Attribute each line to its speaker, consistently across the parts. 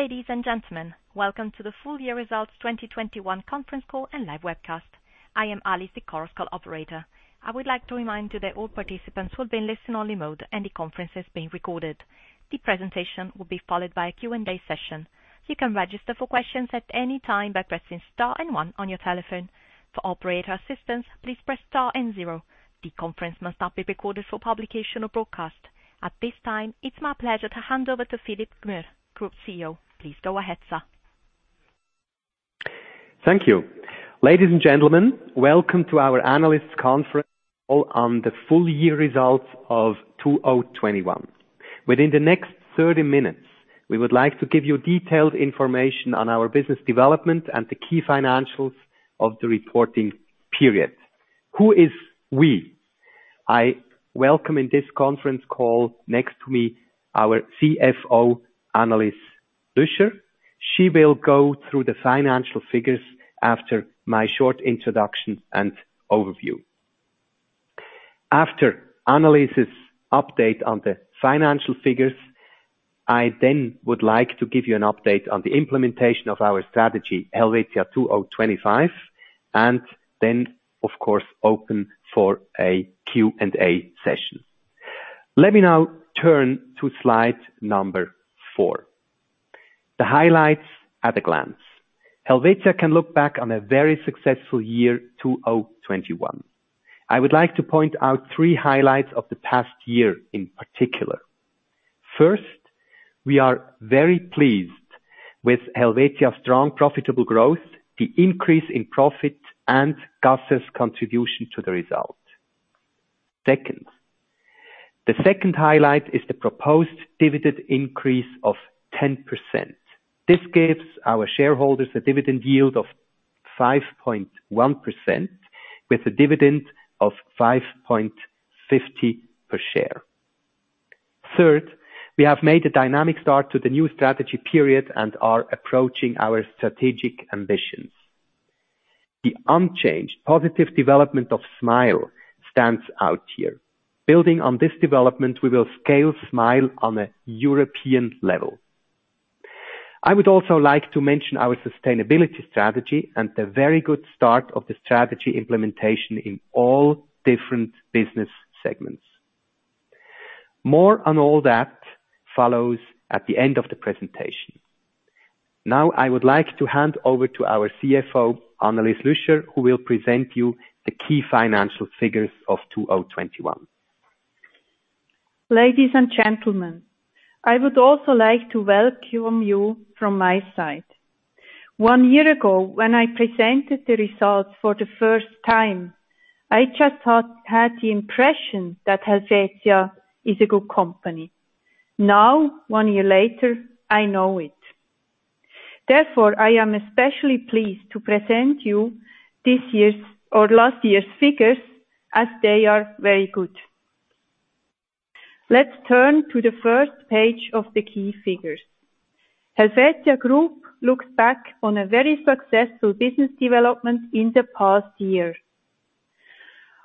Speaker 1: Ladies and gentlemen, welcome to the full year results 2021 conference call and live webcast. I am Alice, the conference call operator. I would like to remind you that all participants will be in listen-only mode and the conference is being recorded. The presentation will be followed by a Q&A session. You can register for questions at any time by pressing star and 1 on your telephone. For operator assistance, please press star and zero. The conference must not be recorded for publication or broadcast. At this time, it's my pleasure to hand over to Philipp Gmür, Group CEO. Please go ahead, sir.
Speaker 2: Thank you. Ladies and gentlemen, welcome to our analyst conference call on the full year results of 2021. Within the next 30 minutes, we would like to give you detailed information on our business development and the key financials of the reporting period. Who is we? I welcome in this conference call next to me, our CFO, Annelis Lüscher Hämmerli. She will go through the financial figures after my short introduction and overview. After Annelis Lüscher Hämmerli's update on the financial figures, I then would like to give you an update on the implementation of our strategy, Helvetia 20.25, and then of course open for a Q&A session. Let me now turn to slide 4. The highlights at a glance. Helvetia can look back on a very successful year, 2021. I would like to point out 3 highlights of the past year in particular. First, we are very pleased with Helvetia's strong profitable growth, the increase in profit and Caser's contribution to the result. Second, the 2nd highlight is the proposed dividend increase of 10%. This gives our shareholders a dividend yield of 5.1% with a dividend of 5.50 per share. Third, we have made a dynamic start to the new strategy period and are approaching our strategic ambitions. The unchanged positive development of Smile stands out here. Building on this development, we will scale Smile on a European level. I would also like to mention our sustainability strategy and the very good start of the strategy implementation in all different business segments. More on all that follows at the end of the presentation. Now I would like to hand over to our CFO, Annelis Lüscher Hämmerli, who will present you the key financial figures of 2021.
Speaker 3: Ladies and gentlemen, I would also like to welcome you from my side. One year ago, when I presented the results for the first time, I just had the impression that Helvetia is a good company. Now, 1 year later, I know it. Therefore, I am especially pleased to present you this year's or last year's figures as they are very good. Let's turn to the 1st page of the key figures. Helvetia Group looks back on a very successful business development in the past year.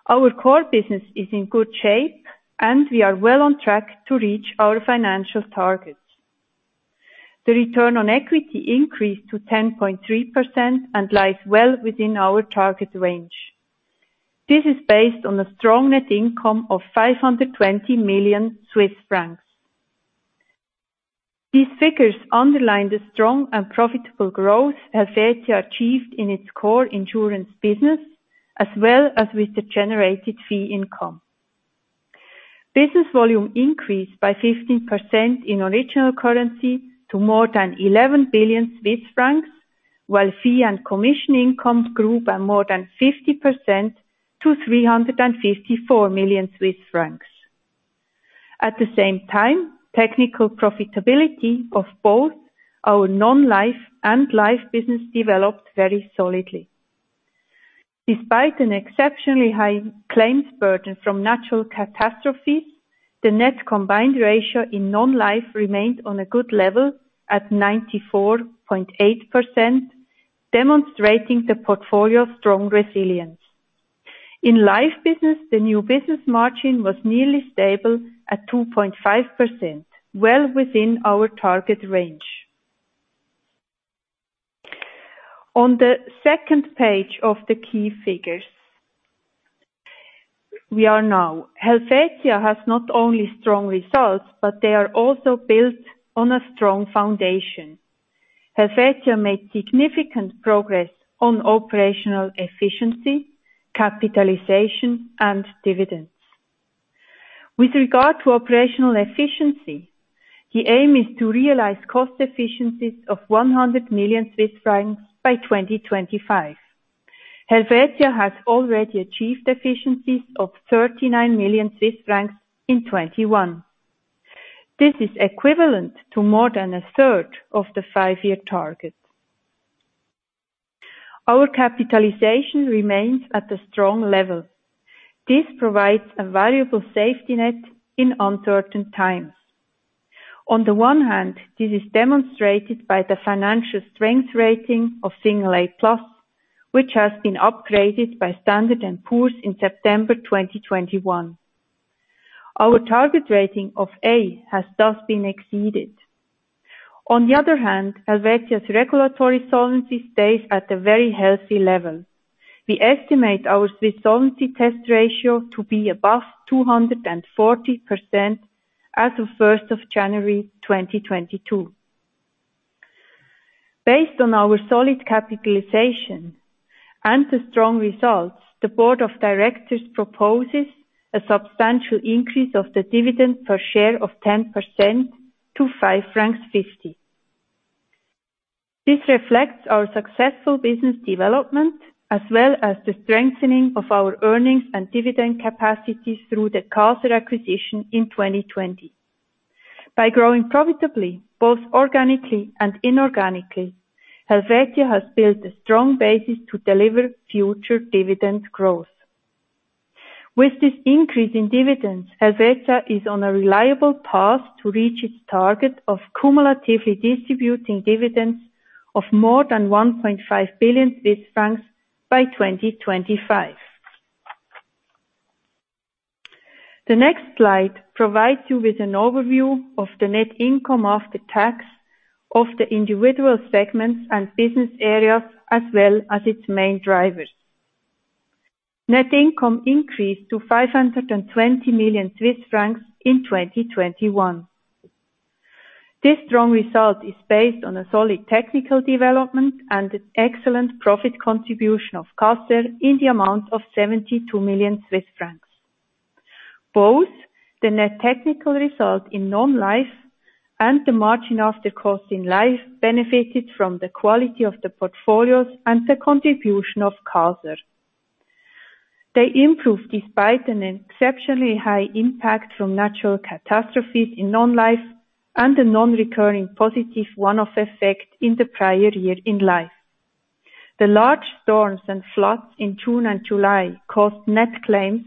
Speaker 3: Our core business is in good shape, and we are well on track to reach our financial targets. The return on equity increased to 10.3% and lies well within our target range. This is based on a strong net income of 520 million Swiss francs. These figures underline the strong and profitable growth Helvetia achieved in its core insurance business, as well as with the generated fee income. Business volume increased by 15% in original currency to more than 11 billion Swiss francs, while fee and commission income grew by more than 50% to 354 million Swiss francs. At the same time, technical profitability of both our non-life and life business developed very solidly. Despite an exceptionally high claims burden from natural catastrophes, the net combined ratio in non-life remained on a good level at 94.8%, demonstrating the portfolio's strong resilience. In life business, the new business margin was nearly stable at 2.5%, well within our target range. On the second page of the key figures, we are now. Helvetia has not only strong results, but they are also built on a strong foundation. Helvetia made significant progress on operational efficiency, capitalization, and dividends. With regard to operational efficiency, the aim is to realize cost efficiencies of 100 million Swiss francs by 2025. Helvetia has already achieved efficiencies of 39 million Swiss francs in 2021. This is equivalent to more than a 3rd of the 5-year target. Our capitalization remains at a strong level. This provides a valuable safety net in uncertain times. On the one hand, this is demonstrated by the financial strength rating of A+, which has been upgraded by Standard and Poor's in September 2021. Our target rating of A has thus been exceeded. On the other hand, Helvetia's regulatory solvency stays at a very healthy level. We estimate our Swiss Solvency Test ratio to be above 240% as of January 1, 2022. Based on our solid capitalization and the strong results, the board of directors proposes a substantial increase of the dividend per share of 10% to 5.50 francs. This reflects our successful business development as well as the strengthening of our earnings and dividend capacities through the Caser acquisition in 2020. By growing profitably both organically and inorganically, Helvetia has built a strong basis to deliver future dividend growth. With this increase in dividends, Helvetia is on a reliable path to reach its target of cumulatively distributing dividends of more than 1.5 billion Swiss francs by 2025. The next slide provides you with an overview of the net income after tax of the individual segments and business areas as well as its main drivers. Net income increased to 520 million Swiss francs in 2021. This strong result is based on a solid technical development and an excellent profit contribution of Caser in the amount of 72 million Swiss francs. Both the net technical result in non-life and the margin after cost in life benefited from the quality of the portfolios and the contribution of Caser. They improved despite an exceptionally high impact from natural catastrophes in non-life and a non-recurring positive one-off effect in the prior year in life. The large storms and floods in June and July caused net claims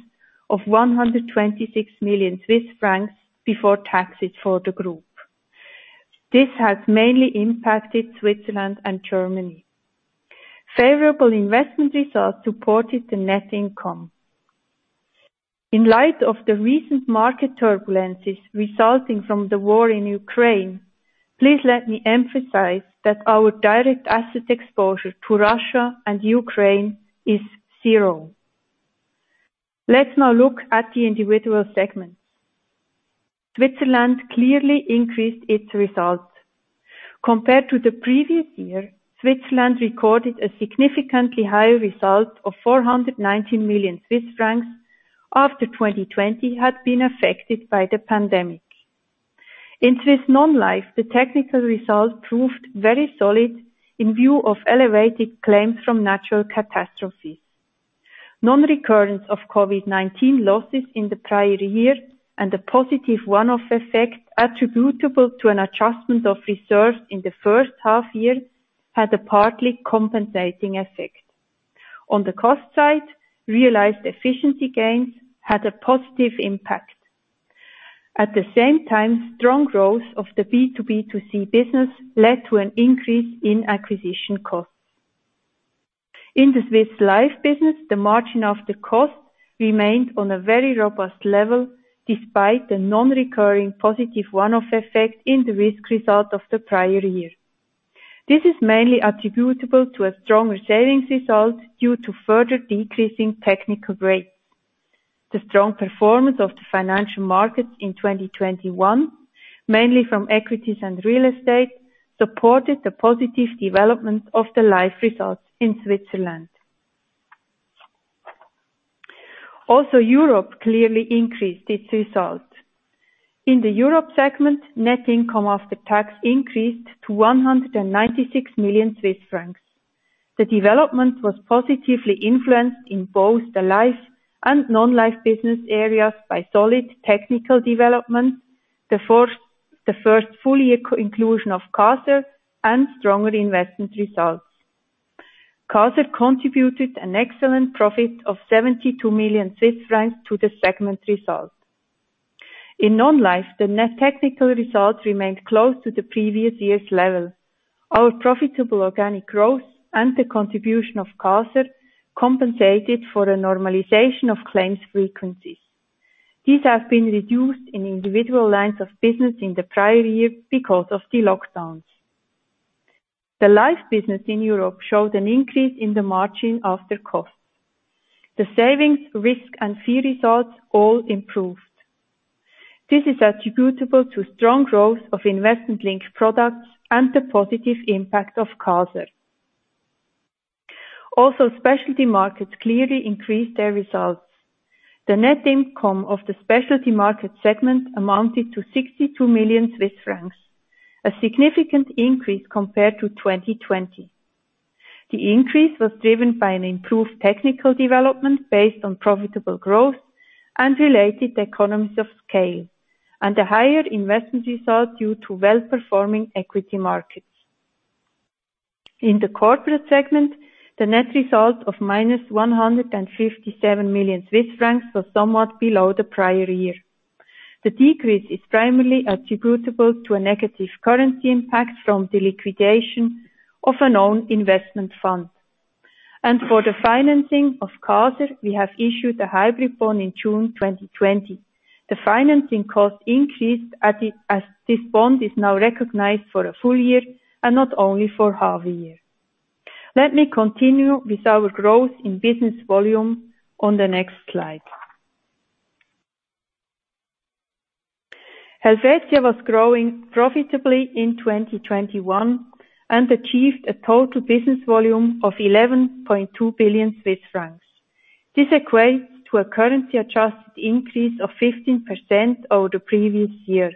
Speaker 3: of 126 million Swiss francs before taxes for the group. This has mainly impacted Switzerland and Germany. Favorable investment results supported the net income. In light of the recent market turbulences resulting from the war in Ukraine, please let me emphasize that our direct asset exposure to Russia and Ukraine is zero. Let's now look at the individual segments. Switzerland clearly increased its results. Compared to the previous year, Switzerland recorded a significantly higher result of 490 million Swiss francs after 2020 had been affected by the pandemic. In Swiss non-life, the technical results proved very solid in view of elevated claims from natural catastrophes. Non-recurrence of COVID-19 losses in the prior year and a positive one-off effect attributable to an adjustment of reserves in the 1st half year had a partly compensating effect. On the cost side, realized efficiency gains had a positive impact. At the same time, strong growth of the B2B2C business led to an increase in acquisition costs. In the Swiss life business, the margin after cost remained on a very robust level despite the non-recurring positive one-off effect in the risk result of the prior year. This is mainly attributable to a stronger savings result due to further decreasing technical rates. The strong performance of the financial markets in 2021, mainly from equities and real estate, supported the positive development of the life results in Switzerland. Also, Europe clearly increased its results. In the Europe segment, net income after tax increased to 196 million Swiss francs. The development was positively influenced in both the life and non-life business areas by solid technical development, the 1st full year co-inclusion of Caser, and stronger investment results. Caser contributed an excellent profit of 72 million Swiss francs to the segment results. In non-life, the net technical results remained close to the previous year's level. Our profitable organic growth and the contribution of Caser compensated for a normalization of claims frequencies. These have been reduced in individual lines of business in the prior year because of the lockdowns. The life business in Europe showed an increase in the margin after costs. The savings, risk, and fee results all improved. This is attributable to strong growth of investment-linked products and the positive impact of Caser. Also, specialty markets clearly increased their results. The net income of the specialty market segment amounted to 62 million Swiss francs, a significant increase compared to 2020. The increase was driven by an improved technical development based on profitable growth and related economies of scale, and a higher investment result due to well-performing equity markets. In the corporate segment, the net result of -157 million Swiss francs was somewhat below the prior year. The decrease is primarily attributable to a negative currency impact from the liquidation of a known investment fund. For the financing of Caser, we have issued a hybrid bond in June 2020. The financing cost increased as this bond is now recognized for a full year and not only for half a year. Let me continue with our growth in business volume on the next slide. Helvetia was growing profitably in 2021 and achieved a total business volume of 11.2 billion Swiss francs. This equates to a currency adjusted increase of 15% over the previous year.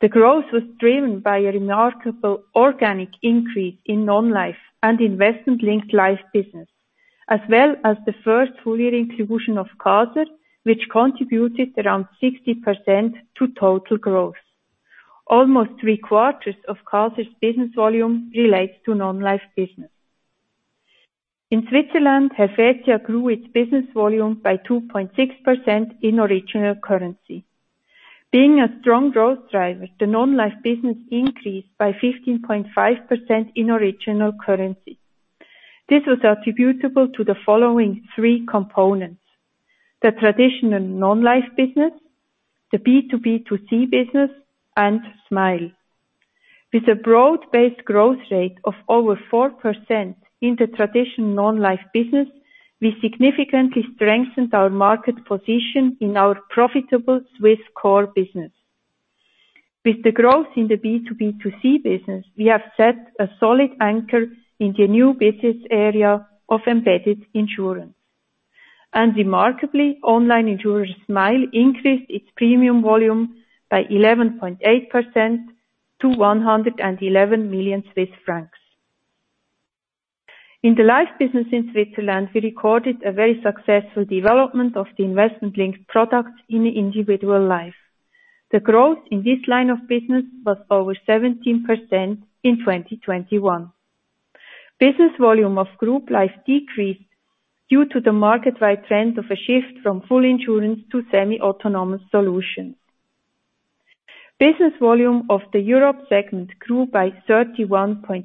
Speaker 3: The growth was driven by a remarkable organic increase in non-life and investment linked life business, as well as the first full year inclusion of Caser, which contributed around 60% to total growth. Almost three-quarters of Caser's business volume relates to non-life business. In Switzerland, Helvetia grew its business volume by 2.6% in original currency. Being a strong growth driver, the non-life business increased by 15.5% in original currency. This was attributable to the following three components, the traditional non-life business, the B2B2C business, and Smile. With a broad-based growth rate of over 4% in the traditional non-life business, we significantly strengthened our market position in our profitable Swiss core business. With the growth in the B2B2C business, we have set a solid anchor in the new business area of embedded insurance. Remarkably, online insurer Smile increased its premium volume by 11.8% to CHF 111 million. In the life business in Switzerland, we recorded a very successful development of the investment-linked products in individual life. The growth in this line of business was over 17% in 2021. Business volume of group life decreased due to the market-wide trend of a shift from full insurance to semi-autonomous solutions. Business volume of the Europe segment grew by 31.5%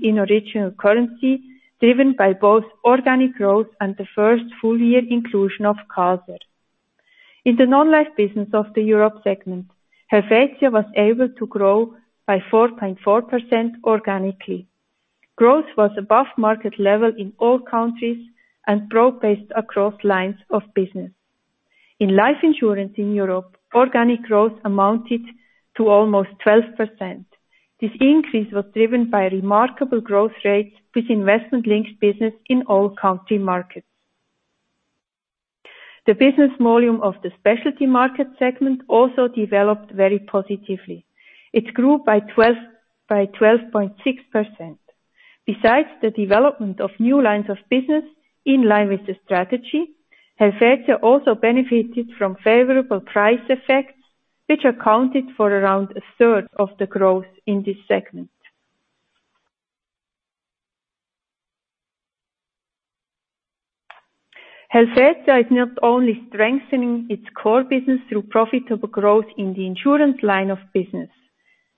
Speaker 3: in original currency, driven by both organic growth and the first full year inclusion of Caser. In the non-life business of the Europe segment, Helvetia was able to grow by 4.4% organically. Growth was above market level in all countries and broad-based across lines of business. In life insurance in Europe, organic growth amounted to almost 12%. This increase was driven by remarkable growth rates with investment-linked business in all country markets. The business volume of the specialty market segment also developed very positively. It grew by 12.6%. Besides the development of new lines of business in line with the strategy, Helvetia also benefited from favorable price effects, which accounted for around a third of the growth in this segment. Helvetia is not only strengthening its core business through profitable growth in the insurance line of business,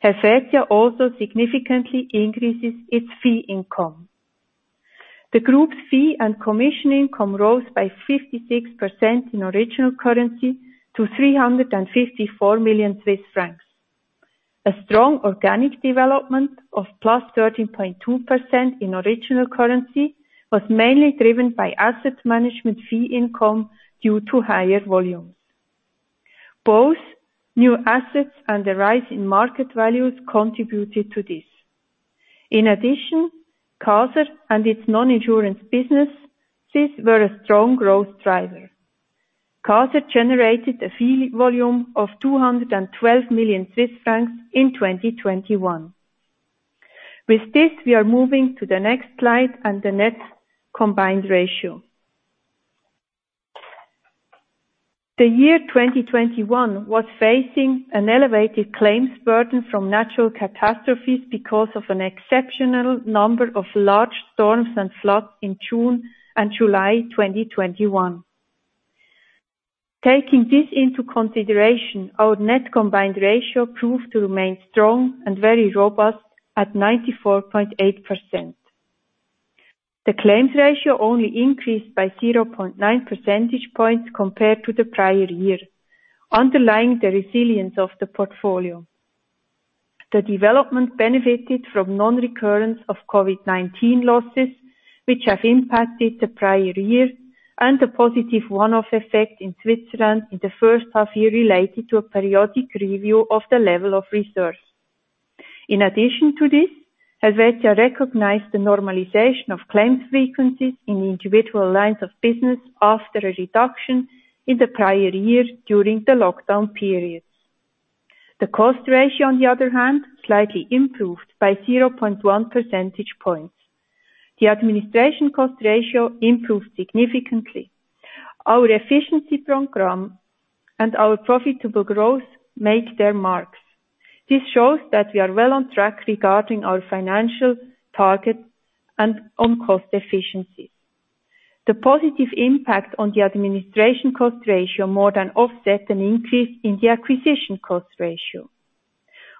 Speaker 3: Helvetia also significantly increases its fee income. The group's fee and commission income rose by 56% in original currency to 354 million Swiss francs. A strong organic development of +13.2% in original currency was mainly driven by asset management fee income due to higher volumes. Both new assets and the rise in market values contributed to this. In addition, Caser and its non-insurance business, SIS, were a strong growth driver. Caser generated a fee volume of 212 million Swiss francs in 2021. With this, we are moving to the next slide and the net combined ratio. The year 2021 was facing an elevated claims burden from natural catastrophes because of an exceptional number of large storms and floods in June and July 2021. Taking this into consideration, our net combined ratio proved to remain strong and very robust at 94.8%. The claims ratio only increased by 0.9 percentage points compared to the prior year, underlying the resilience of the portfolio. The development benefited from non-recurrence of COVID-19 losses, which have impacted the prior year, and a positive one-off effect in Switzerland in the first half year related to a periodic review of the level of reserves. In addition to this, Helvetia recognized the normalization of claims frequencies in individual lines of business after a reduction in the prior year during the lockdown period. The cost ratio, on the other hand, slightly improved by 0.1 percentage points. The administration cost ratio improved significantly. Our efficiency program and our profitable growth make their marks. This shows that we are well on track regarding our financial target and on cost efficiency. The positive impact on the administration cost ratio more than offset an increase in the acquisition cost ratio.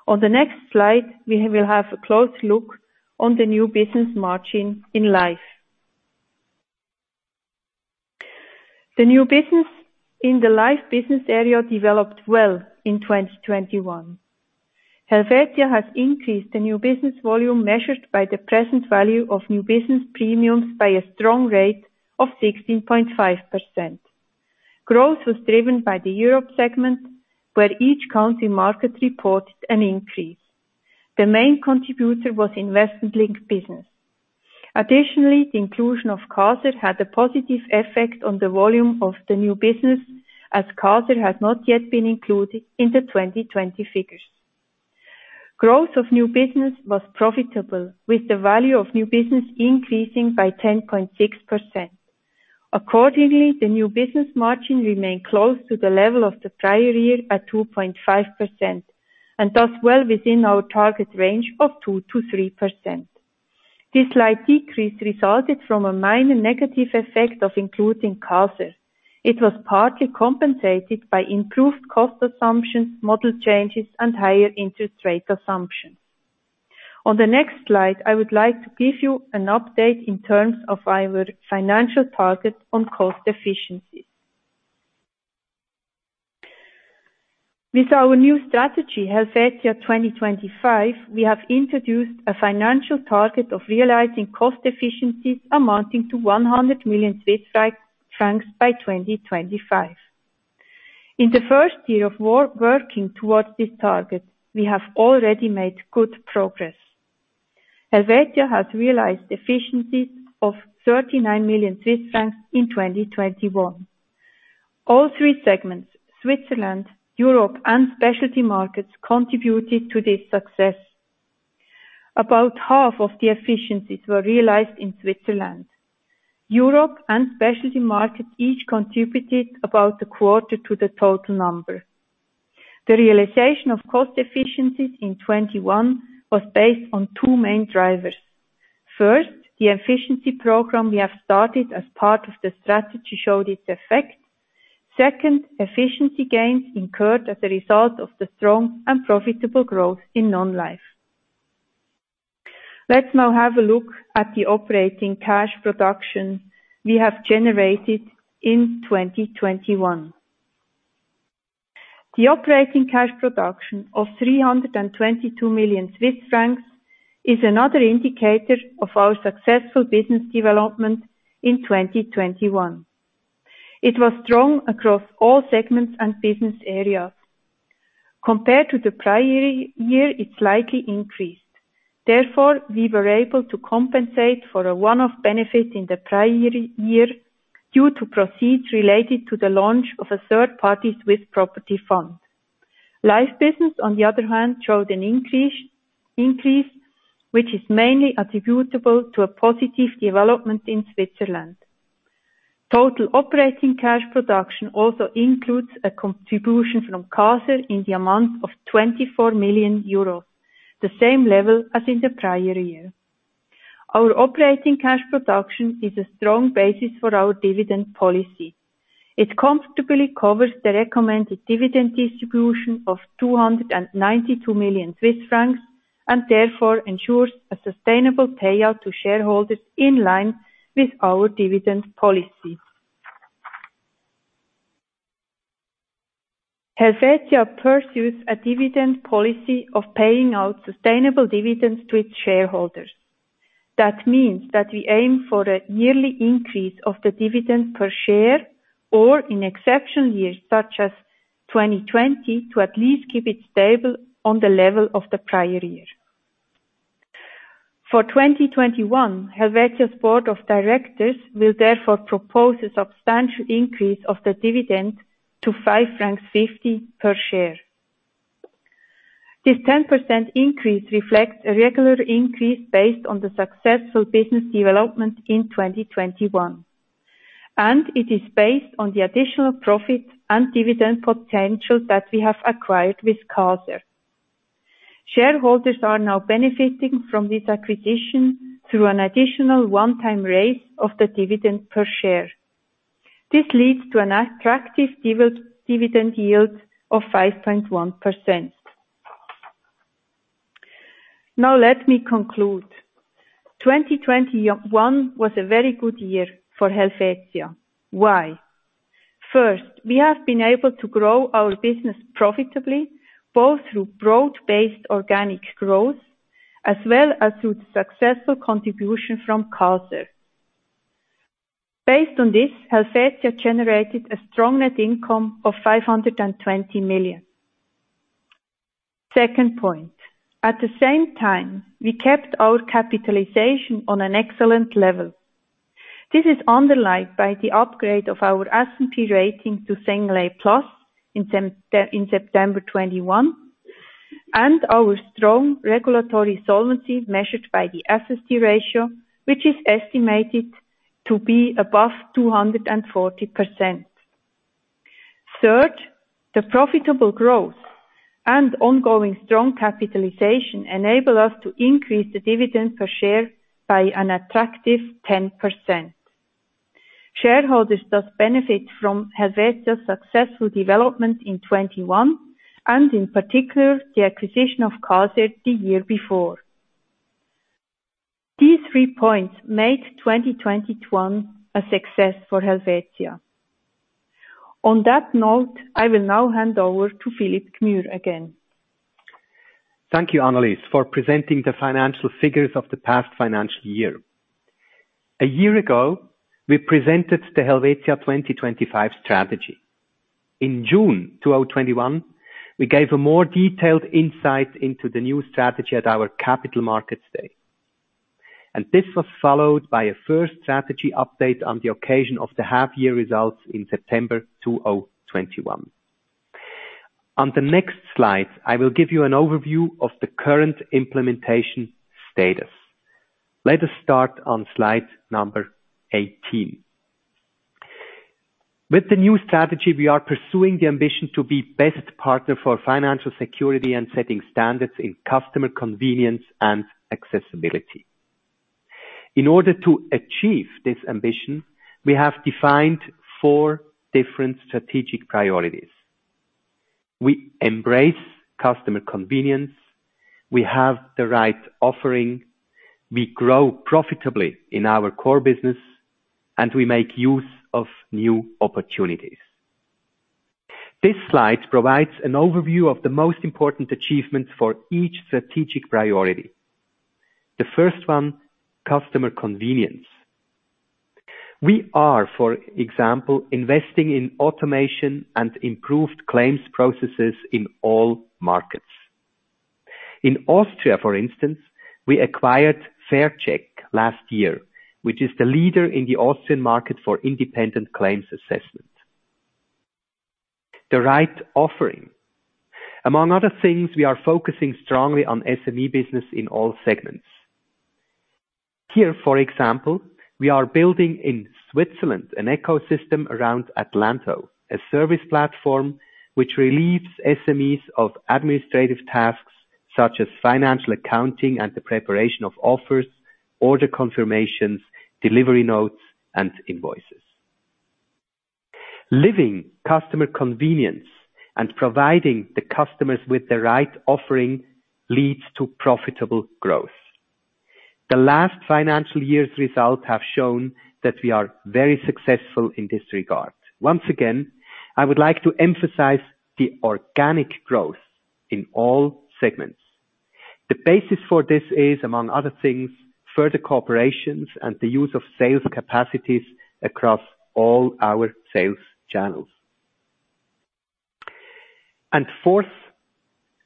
Speaker 3: On the next slide, we will have a close look on the new business margin in Life. The new business in the Life business area developed well in 2021. Helvetia has increased the new business volume measured by the present value of new business premiums by a strong rate of 16.5%. Growth was driven by the Europe segment, where each country market reported an increase. The main contributor was investment-linked business. Additionally, the inclusion of Caser had a positive effect on the volume of the new business, as Caser had not yet been included in the 2020 figures. Growth of new business was profitable, with the value of new business increasing by 10.6%. Accordingly, the new business margin remained close to the level of the prior year at 2.5%, and thus well within our target range of 2%-3%. This slight decrease resulted from a minor negative effect of including Caser. It was partly compensated by improved cost assumptions, model changes, and higher interest rate assumptions. On the next slide, I would like to give you an update in terms of our financial target on cost efficiencies. With our new strategy, Helvetia 20.25, we have introduced a financial target of realizing cost efficiencies amounting to 100 million Swiss francs by 2025. In the 1st year of working towards this target, we have already made good progress. Helvetia has realized efficiencies of 39 million Swiss francs in 2021. All three segments, Switzerland, Europe, and specialty markets, contributed to this success. About half of the efficiencies were realized in Switzerland. Europe and specialty markets each contributed about a quarter to the total number. The realization of cost efficiencies in 2021 was based on 2 main drivers. First, the efficiency program we have started as part of the strategy showed its effect. Second, efficiency gains incurred as a result of the strong and profitable growth in non-life. Let's now have a look at the operating cash production we have generated in 2021. The operating cash production of 322 million Swiss francs is another indicator of our successful business development in 2021. It was strong across all segments and business areas. Compared to the prior year, it slightly increased. Therefore, we were able to compensate for a one-off benefit in the prior year due to proceeds related to the launch of a third party Swiss property fund. Life business, on the other hand, showed an increase which is mainly attributable to a positive development in Switzerland. Total operating cash production also includes a contribution from Caser in the amount of 24 million euros, the same level as in the prior year. Our operating cash production is a strong basis for our dividend policy. It comfortably covers the recommended dividend distribution of 292 million Swiss francs, and therefore ensures a sustainable payout to shareholders in line with our dividend policy. Helvetia pursues a dividend policy of paying out sustainable dividends to its shareholders. That means that we aim for a yearly increase of the dividend per share, or in exceptional years, such as 2020, to at least keep it stable on the level of the prior year. For 2021, Helvetia's board of directors will therefore propose a substantial increase of the dividend to 5.50 francs per share. This 10% increase reflects a regular increase based on the successful business development in 2021, and it is based on the additional profit and dividend potential that we have acquired with Caser. Shareholders are now benefiting from this acquisition through an additional one-time raise of the dividend per share. This leads to an attractive dividend yield of 5.1%. Now let me conclude. 2021 was a very good year for Helvetia. Why? First, we have been able to grow our business profitably, both through broad-based organic growth as well as through the successful contribution from Caser. Based on this, Helvetia generated a strong net income of 520 million. Second point, at the same time, we kept our capitalization on an excellent level. This is underlined by the upgrade of our S&P rating to A/A+ in September 2021. Our strong regulatory solvency measured by the SST ratio, which is estimated to be above 240%. Third, the profitable growth and ongoing strong capitalization enable us to increase the dividend per share by an attractive 10%. Shareholders thus benefit from Helvetia's successful development in 2021, and in particular, the acquisition of Caser the year before. These 3 points made 2021 a success for Helvetia. On that note, I will now hand over to Philipp Gmür again.
Speaker 2: Thank you, Annelis, for presenting the financial figures of the past financial year. A year ago, we presented the Helvetia 20.25 strategy. In June 2021, we gave a more detailed insight into the new strategy at our capital markets day. This was followed by a first strategy update on the occasion of the half year results in September 2021. On the next slide, I will give you an overview of the current implementation status. Let us start on slide number 18. With the new strategy, we are pursuing the ambition to be best partner for financial security and setting standards in customer convenience and accessibility. In order to achieve this ambition, we have defined 4 different strategic priorities. We embrace customer convenience, we have the right offering, we grow profitably in our core business, and we make use of new opportunities. This slide provides an overview of the most important achievements for each strategic priority. The first one, customer convenience. We are, for example, investing in automation and improved claims processes in all markets. In Austria, for instance, we acquired Faircheck last year, which is the leader in the Austrian market for independent claims assessment. The right offering. Among other things, we are focusing strongly on SME business in all segments. Here, for example, we are building in Switzerland an ecosystem around Atlanto, a service platform which relieves SMEs of administrative tasks such as financial accounting and the preparation of offers, order confirmations, delivery notes and invoices. Living customer convenience and providing the customers with the right offering leads to profitable growth. The last financial year's results have shown that we are very successful in this regard. Once again, I would like to emphasize the organic growth in all segments. The basis for this is, among other things, further corporations and the use of sales capacities across all our sales channels. Fourth,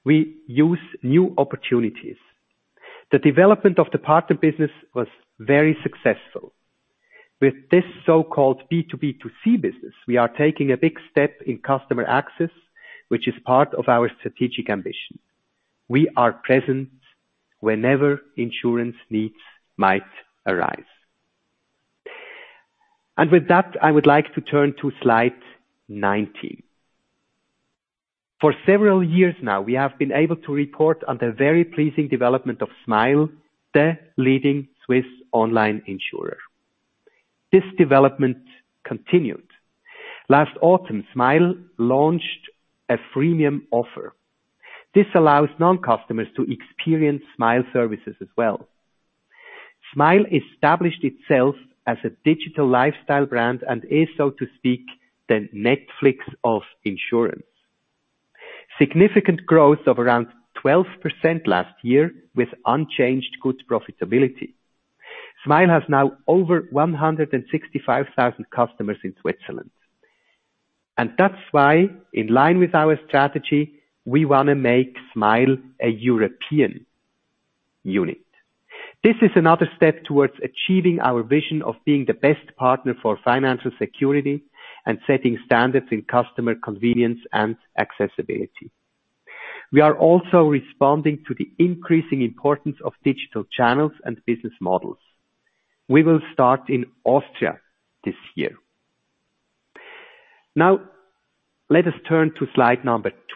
Speaker 2: we use new opportunities. The development of the partner business was very successful. With this so-called B2B2C business, we are taking a big step in customer access, which is part of our strategic ambition. We are present whenever insurance needs might arise. With that, I would like to turn to slide 19. For several years now, we have been able to report on the very pleasing development of Smile, the leading Swiss online insurer. This development continued. Last autumn, Smile launched a freemium offer. This allows non-customers to experience Smile services as well. Smile established itself as a digital lifestyle brand and is, so to speak, the Netflix of insurance. Significant growth of around 12% last year with unchanged good profitability. Smile has now over 165,000 customers in Switzerland. That's why, in line with our strategy, we want to make Smile a European unit. This is another step towards achieving our vision of being the best partner for financial security and setting standards in customer convenience and accessibility. We are also responding to the increasing importance of digital channels and business models. We will start in Austria this year. Now let us turn to slide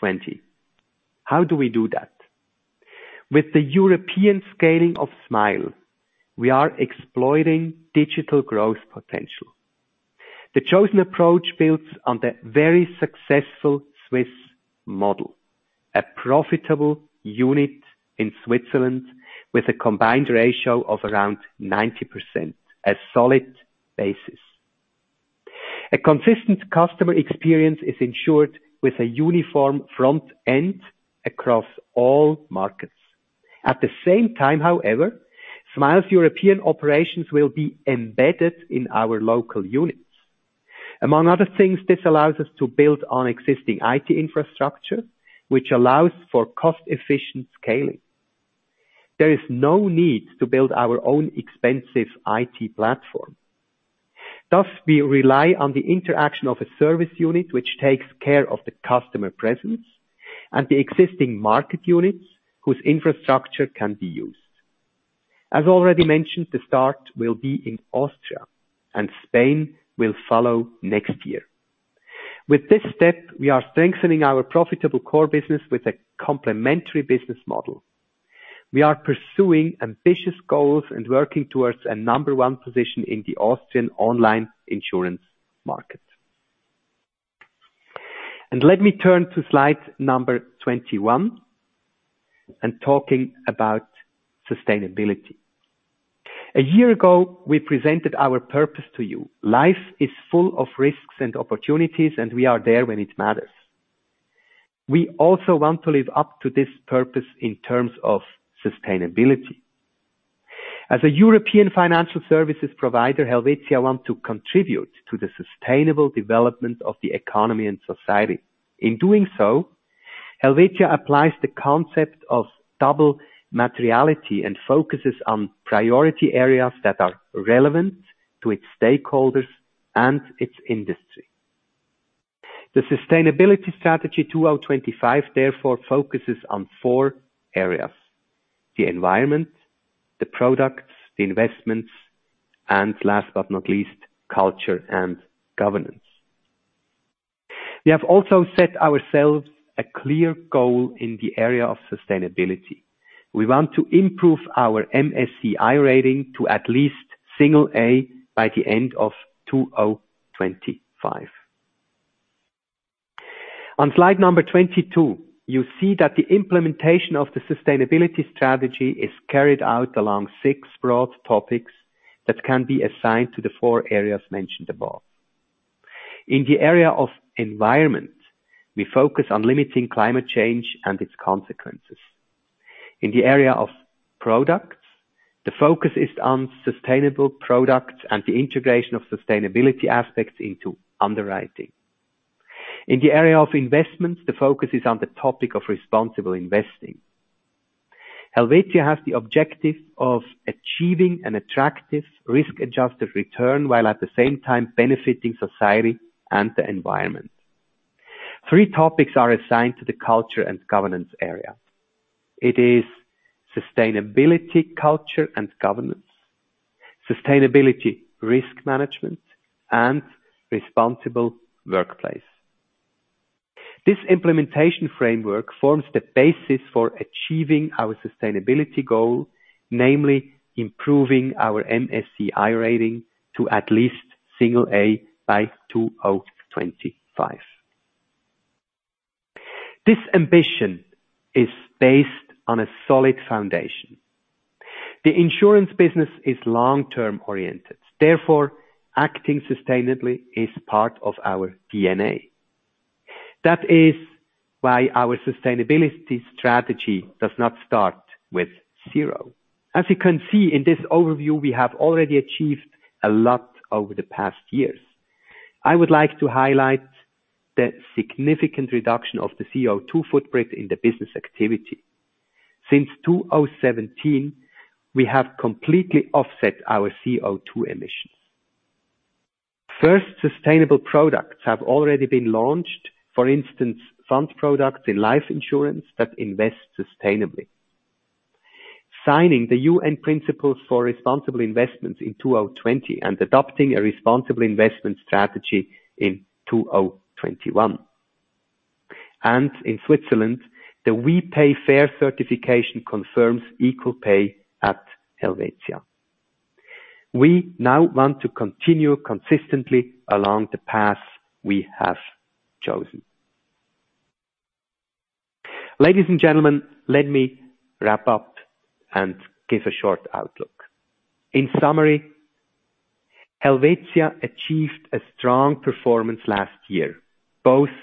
Speaker 2: 20. How do we do that? With the European scaling of Smile, we are exploiting digital growth potential. The chosen approach builds on the very successful Swiss model, a profitable unit in Switzerland with a combined ratio of around 90%, a solid basis. A consistent customer experience is ensured with a uniform front end across all markets. At the same time, however, Smile's European operations will be embedded in our local units. Among other things, this allows us to build on existing IT infrastructure, which allows for cost-efficient scaling. There is no need to build our own expensive IT platform. Thus we rely on the interaction of a service unit which takes care of the customer presence and the existing market units whose infrastructure can be used. As already mentioned, the start will be in Austria and Spain will follow next year. With this step, we are strengthening our profitable core business with a complementary business model. We are pursuing ambitious goals and working towards a number one position in the Austrian online insurance market. Let me turn to slide number 21 and talking about sustainability. A year ago, we presented our purpose to you. Life is full of risks and opportunities, and we are there when it matters. We also want to live up to this purpose in terms of sustainability. As a European financial services provider, Helvetia want to contribute to the sustainable development of the economy and society. In doing so, Helvetia applies the concept of double materiality and focuses on priority areas that are relevant to its stakeholders and its industry. The sustainability strategy 2025, therefore focuses on four areas, the environment, the products, the investments, and last but not least, culture and governance. We have also set ourselves a clear goal in the area of sustainability. We want to improve our MSCI rating to at least single A by the end of 2025. On slide number 22, you see that the implementation of the sustainability strategy is carried out along six broad topics that can be assigned to the four areas mentioned above. In the area of environment, we focus on limiting climate change and its consequences. In the area of products, the focus is on sustainable products and the integration of sustainability aspects into underwriting. In the area of investments, the focus is on the topic of responsible investing. Helvetia has the objective of achieving an attractive risk-adjusted return, while at the same time benefiting society and the environment. Three topics are assigned to the culture and governance area. It is sustainability culture and governance, sustainability risk management, and responsible workplace. This implementation framework forms the basis for achieving our sustainability goal, namely improving our MSCI rating to at least single A by 2025. This ambition is based on a solid foundation. The insurance business is long-term oriented. Therefore, acting sustainably is part of our DNA. That is why our sustainability strategy does not start with zero. As you can see in this overview, we have already achieved a lot over the past years. I would like to highlight the significant reduction of the CO₂ footprint in the business activity. Since 2017, we have completely offset our CO₂ emissions. First, sustainable products have already been launched. For instance, fund products in life insurance that invest sustainably. Signing the UN Principles for Responsible Investment in 2020 and adopting a responsible investment strategy in 2021. In Switzerland, the We Pay Fair certification confirms equal pay at Helvetia. We now want to continue consistently along the path we have chosen. Ladies and gentlemen, let me wrap up and give a short outlook. In summary, Helvetia achieved a strong performance last year, both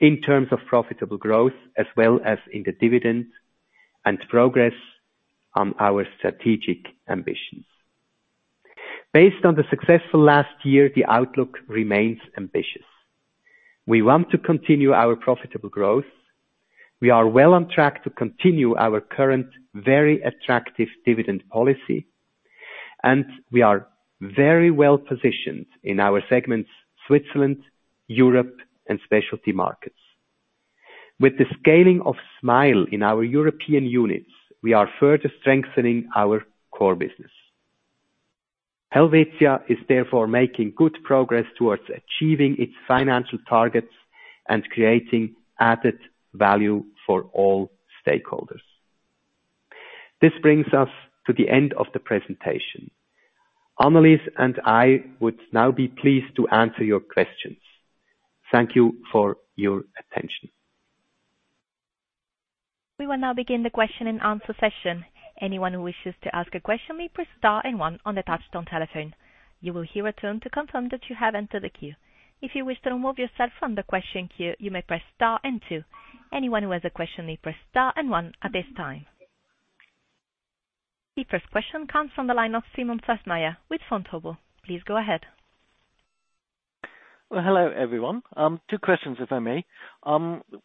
Speaker 2: in terms of profitable growth as well as in the dividend and progress on our strategic ambitions. Based on the successful last year, the outlook remains ambitious. We want to continue our profitable growth. We are well on track to continue our current very attractive dividend policy. We are very well positioned in our segments Switzerland, Europe, and specialty markets. With the scaling of Smile in our European units, we are further strengthening our core business. Helvetia is therefore making good progress towards achieving its financial targets and creating added value for all stakeholders. This brings us to the end of the presentation. Annelis and I would now be pleased to answer your questions. Thank you for your attention.
Speaker 1: We will now begin the question and answer session. Anyone who wishes to ask a question may press star and 1 on the Touchtone telephone. You will hear a tone to confirm that you have entered the queue. If you wish to remove yourself from the question queue, you may press star and 2. Anyone who has a question may press star and 1 at this time. The first question comes from the line of Simon Fössmeier with Vontobel. Please go ahead.
Speaker 4: Well, hello everyone. Two questions if I may.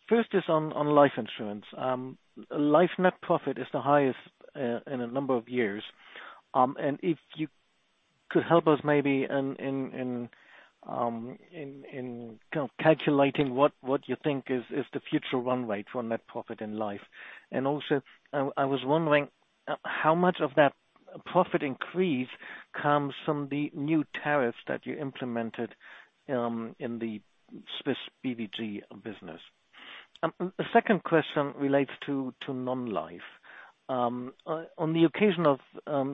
Speaker 4: First is on life insurance. Life net profit is the highest in a number of years. If you could help us maybe in kind of calculating what you think is the future run rate from net profit and life. Also, I was wondering how much of that profit increase comes from the new tariffs that you implemented in the Swiss BVG business. The 2nd question relates to non-life. On the occasion of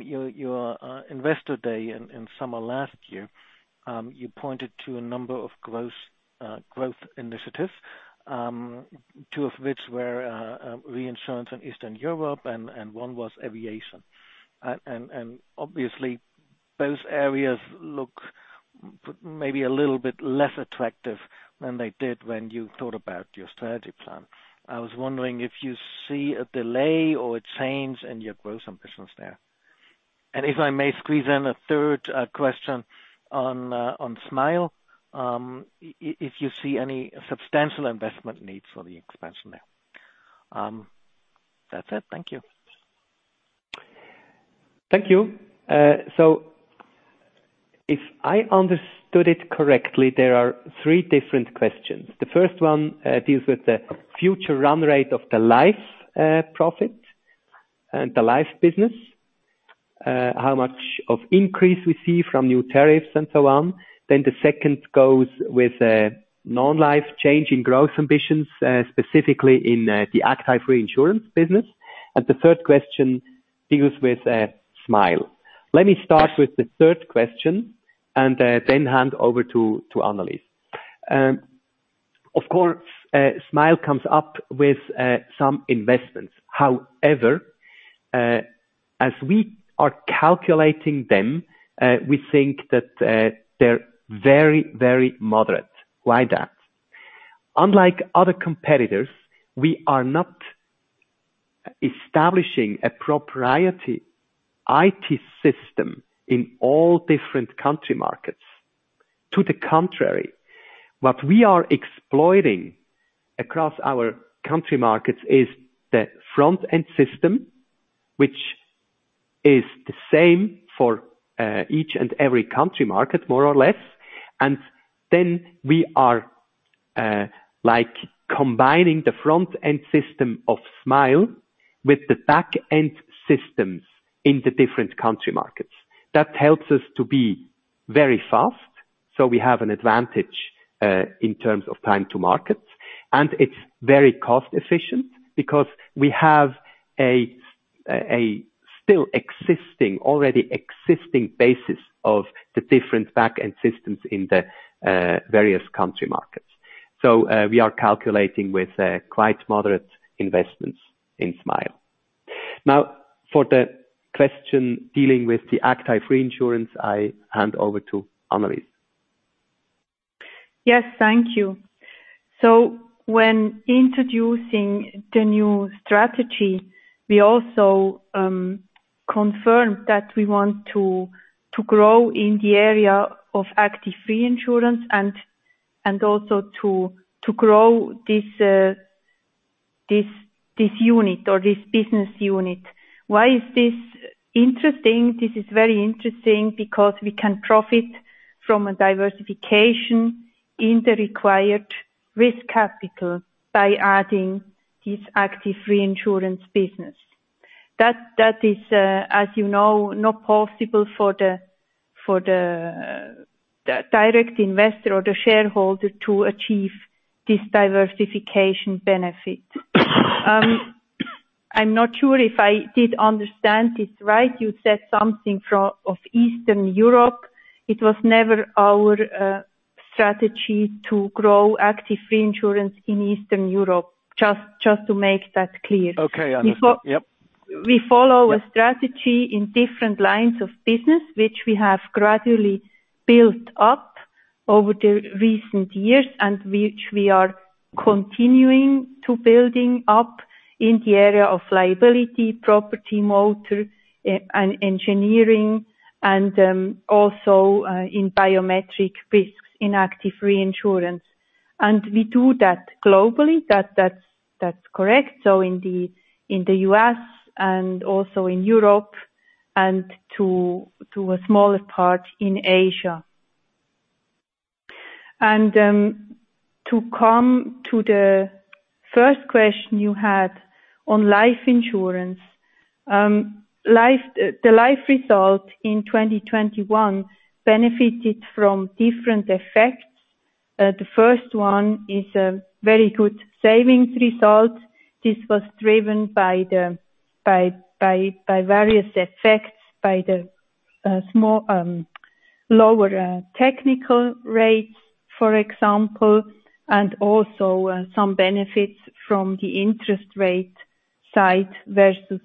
Speaker 4: your investor day in summer last year, you pointed to a number of growth initiatives, two of which were reinsurance in Eastern Europe and one was aviation. Obviously, those areas look maybe a little bit less attractive than they did when you thought about your strategy plan. I was wondering if you see a delay or a change in your growth ambitions there. If I may squeeze in a 3rd question on Smile. If you see any substantial investment needs for the expansion there. That's it. Thank you.
Speaker 2: Thank you. If I understood it correctly, there are 3 different questions. The 1st one deals with the future run rate of the life profit and the life business. How much of an increase we see from new tariffs and so on. The 2nd goes with non-life change in growth ambitions, specifically in the active reinsurance business. The 3rd question deals with Smile. Let me start with the third question and then hand over to Annelis. Of course, Smile comes up with some investments. However, as we are calculating them, we think that they're very, very moderate. Why that? Unlike other competitors, we are not establishing a proprietary IT system in all different country markets. To the contrary. What we are exploiting across our country markets is the front-end system, which is the same for each and every country market, more or less. We are like combining the front-end system of Smile with the back-end systems in the different country markets. That helps us to be very fast. We have an advantage in terms of time to market. It's very cost efficient because we have an already existing basis of the different back-end systems in the various country markets. We are calculating with quite moderate investments in Smile. Now, for the question dealing with the active reinsurance, I hand over to Annelis.
Speaker 3: Yes, thank you. When introducing the new strategy, we also confirmed that we want to grow in the area of active reinsurance and also to grow this unit or this business unit. Why is this interesting? This is very interesting because we can profit from a diversification in the required risk capital by adding this active reinsurance business. That is, as you know, not possible for the direct investor or the shareholder to achieve this diversification benefit. I'm not sure if I did understand this right. You said something of Eastern Europe. It was never our strategy to grow active reinsurance in Eastern Europe. Just to make that clear.
Speaker 4: Okay. Understood. Yep.
Speaker 3: We follow.
Speaker 4: Yeah.
Speaker 3: A strategy in different lines of business, which we have gradually built up over the recent years and which we are continuing to building up in the area of liability, property, motor, and engineering, and also in biometric risks in active reinsurance. We do that globally. That's correct. In the U.S. and also in Europe and to a smaller part in Asia. To come to the first question you had on life insurance. The life result in 2021 benefited from different effects. The first one is a very good savings result. This was driven by various effects, by the somewhat lower technical rates, for example, and also some benefits from the interest rate side versus.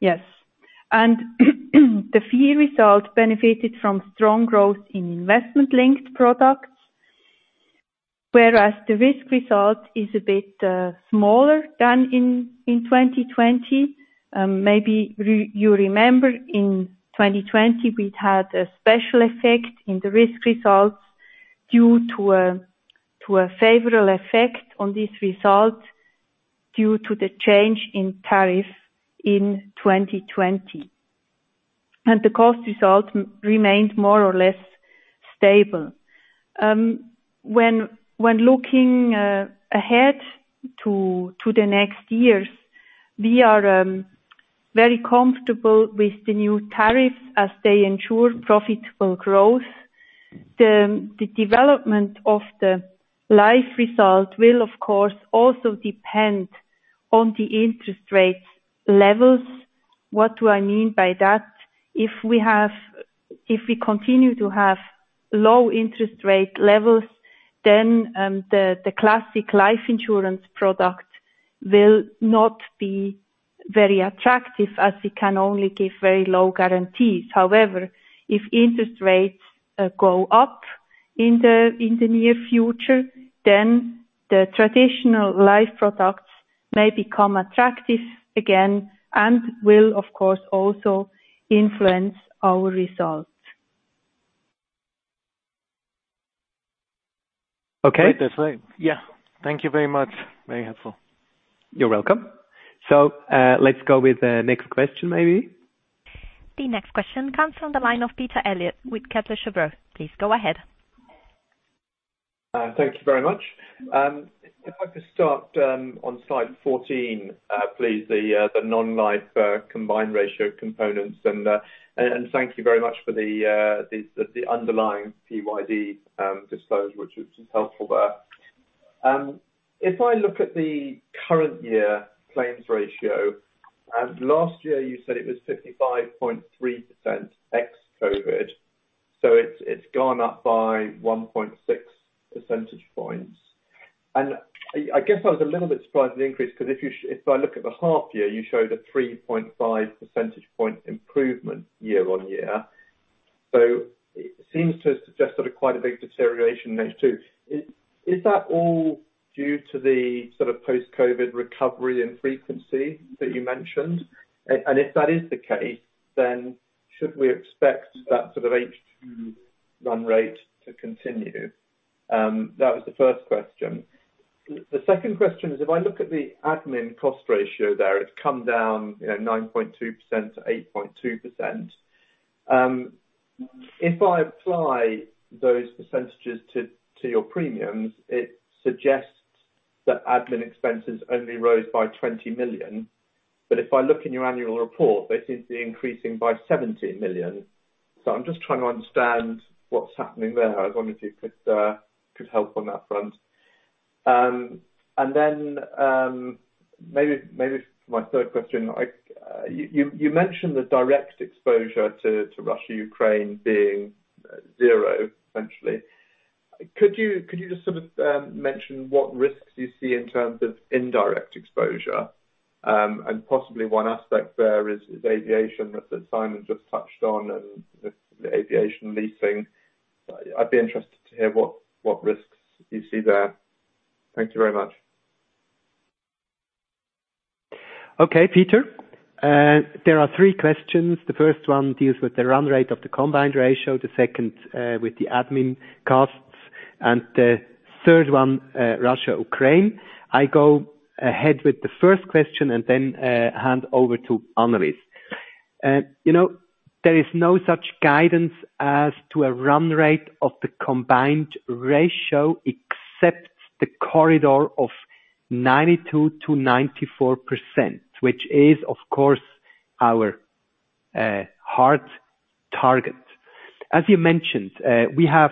Speaker 3: Yes. The fee result benefited from strong growth in investment-linked products. Whereas the risk result is a bit smaller than in 2020. Maybe you remember in 2020, we'd had a special effect in the risk results due to a favorable effect on this result due to the change in tariff in 2020. The cost result remained more or less stable. When looking ahead to the next years, we are very comfortable with the new tariffs as they ensure profitable growth. The development of the life result will, of course, also depend on the interest rate levels. What do I mean by that? If we continue to have low interest rate levels, then the classic life insurance product will not be very attractive as it can only give very low guarantees. However, if interest rates go up in the near future, then the traditional life products may become attractive again and will, of course, also influence our results.
Speaker 2: Okay.
Speaker 4: Great. That's right. Yeah. Thank you very much. Very helpful.
Speaker 2: You're welcome. Let's go with the next question, maybe.
Speaker 1: The next question comes from the line of Peter Eliot with Kepler Cheuvreux. Please go ahead.
Speaker 5: Thank you very much. If I could start on slide 14, please, the non-life combined ratio components and thank you very much for the underlying PYD disclosure, which is helpful there. If I look at the current year claims ratio, and last year you said it was 55.3% ex-COVID, so it's gone up by 1.6 percentage points. I guess I was a little bit surprised at the increase, 'cause if I look at the half year, you showed a 3.5 percentage point improvement year-on-year. It seems to suggest quite a big deterioration in H2. Is that all due to the sort of post-COVID recovery and frequency that you mentioned? If that is the case, then should we expect that sort of H run rate to continue? That was the first question. The second question is, if I look at the admin cost ratio there, it's come down, you know, 9.2%-8.2%. If I apply those percentages to your premiums, it suggests that admin expenses only rose by 20 million. If I look in your annual report, they seem to be increasing by 70 million. I'm just trying to understand what's happening there. I was wondering if you could help on that front. Maybe for my third question, you mentioned the direct exposure to Russia-Ukraine being zero, essentially. Could you just sort of mention what risks you see in terms of indirect exposure? Possibly one aspect there is aviation that Simon just touched on and the aviation leasing. I'd be interested to hear what risks you see there. Thank you very much.
Speaker 2: Okay, Peter. There are 3 questions. The 1st one deals with the run rate of the combined ratio, the 2nd with the admin costs, and the 3rd one, Russia-Ukraine. I go ahead with the first question and then hand over to Annelis. You know, there is no such guidance as to a run rate of the combined ratio except the corridor of 92%-94%, which is, of course, our hard target. As you mentioned, we have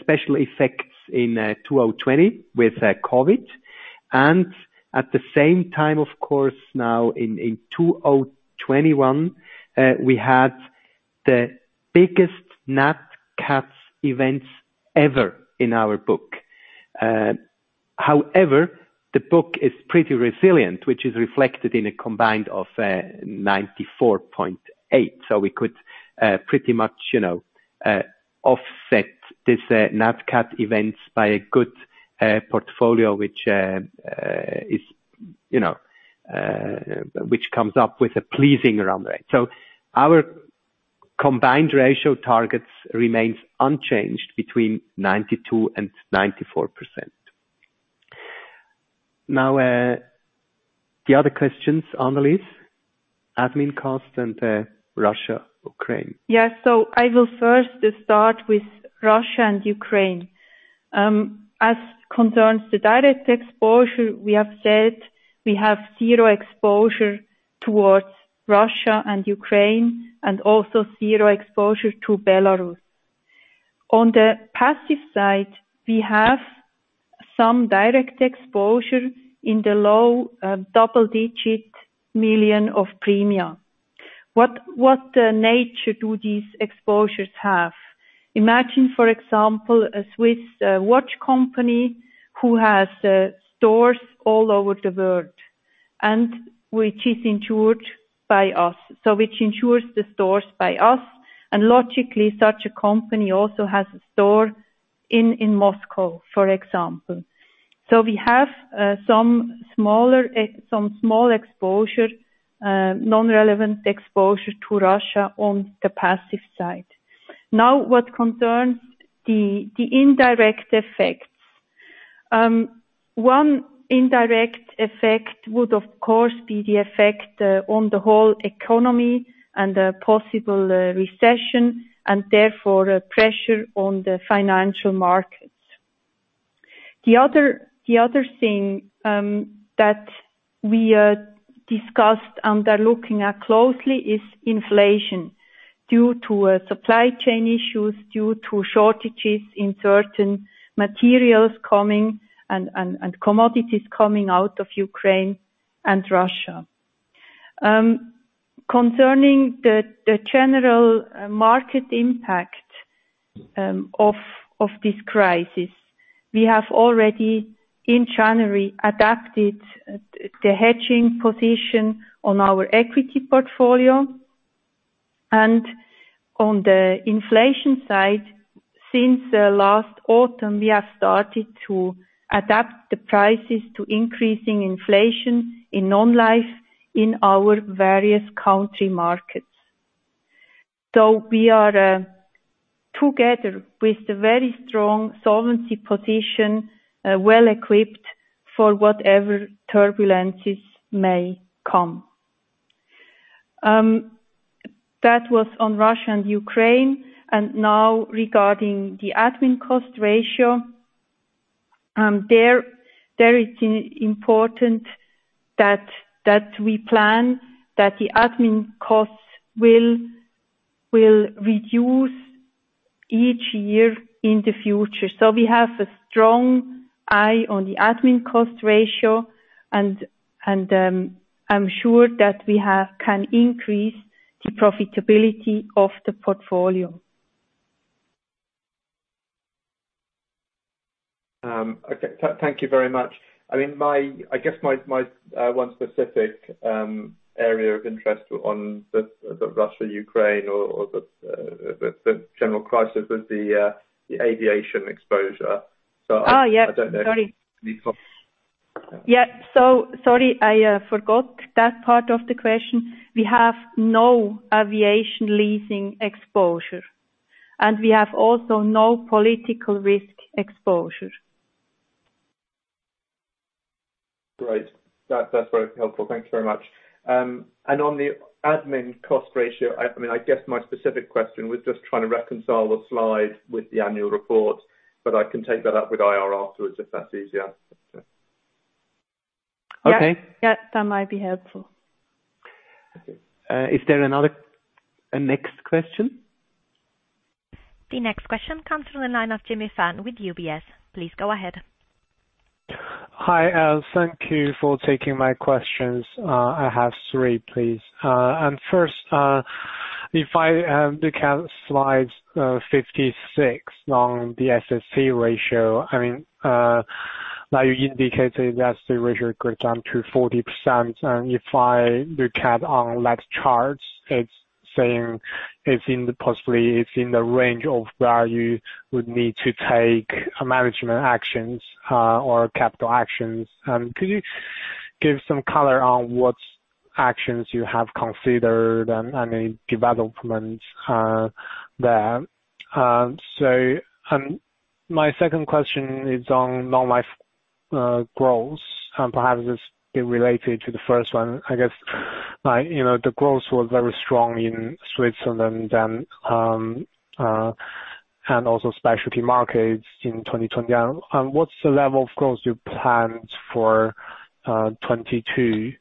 Speaker 2: special effects in 2020 with COVID. At the same time, of course, now in 2021, we had the biggest NatCat events ever in our book. However, the book is pretty resilient, which is reflected in a combined of 94.8. We could pretty much, you know, offset this NatCat events by a good portfolio, which comes up with a pleasing run rate. Our combined ratio target remains unchanged between 92%-94%. Now, the other questions, Annelis, admin cost and Russia, Ukraine.
Speaker 3: I will first start with Russia and Ukraine. As concerns the direct exposure, we have said we have zero exposure towards Russia and Ukraine, and also zero exposure to Belarus. On the passive side, we have some direct exposure in the low double-digit million CHF of premiums. What nature do these exposures have? Imagine, for example, a Swiss watch company who has stores all over the world and which is insured by us, and logically, such a company also has a store in Moscow, for example. We have some small exposure, non-relevant exposure to Russia on the passive side. Now, what concerns the indirect effects. One indirect effect would of course be the effect on the whole economy and the possible recession, and therefore pressure on the financial markets. The other thing that we discussed and are looking at closely is inflation due to supply chain issues, due to shortages in certain materials coming and commodities coming out of Ukraine and Russia. Concerning the general market impact of this crisis, we have already in January adapted the hedging position on our equity portfolio. On the inflation side, since the last autumn, we have started to adapt the prices to increasing inflation in non-life in our various country markets. We are together with a very strong solvency position well-equipped for whatever turbulences may come. That was on Russia and Ukraine, and now regarding the admin cost ratio, there it's important that we plan that the admin costs will reduce each year in the future. We have a strong eye on the admin cost ratio and, I'm sure that we can increase the profitability of the portfolio.
Speaker 5: Thank you very much. I mean, I guess my one specific area of interest on the Russia-Ukraine or the general crisis was the aviation exposure. So-
Speaker 3: Yeah. Sorry.
Speaker 5: I don't know.
Speaker 3: Yeah. Sorry, I forgot that part of the question. We have no aviation leasing exposure. We have also no political risk exposure.
Speaker 5: Great. That's very helpful. Thank you very much. On the admin cost ratio, I mean, I guess my specific question was just trying to reconcile the slide with the annual report, but I can take that up with IR afterwards if that's easier. Okay.
Speaker 3: Yeah. Yeah. That might be helpful.
Speaker 5: Okay.
Speaker 2: Is there a next question?
Speaker 1: The next question comes from the line of Jimmy Fan with UBS. Please go ahead.
Speaker 6: Hi. Thank you for taking my questions. I have 3, please. First, if I look at slide 56 on the SST ratio, I mean, now you indicated that the ratio could come to 40%, and if I look at the last charts, it's saying it's possibly in the range where you would need to take management actions or capital actions. Could you give some color on what actions you have considered and any developments there? My 2nd question is on non-life growth, and perhaps it's related to the 1st one. I guess, you know, the growth was very strong in Switzerland and also specialty markets in 2020. What's the level of growth you planned for 2022?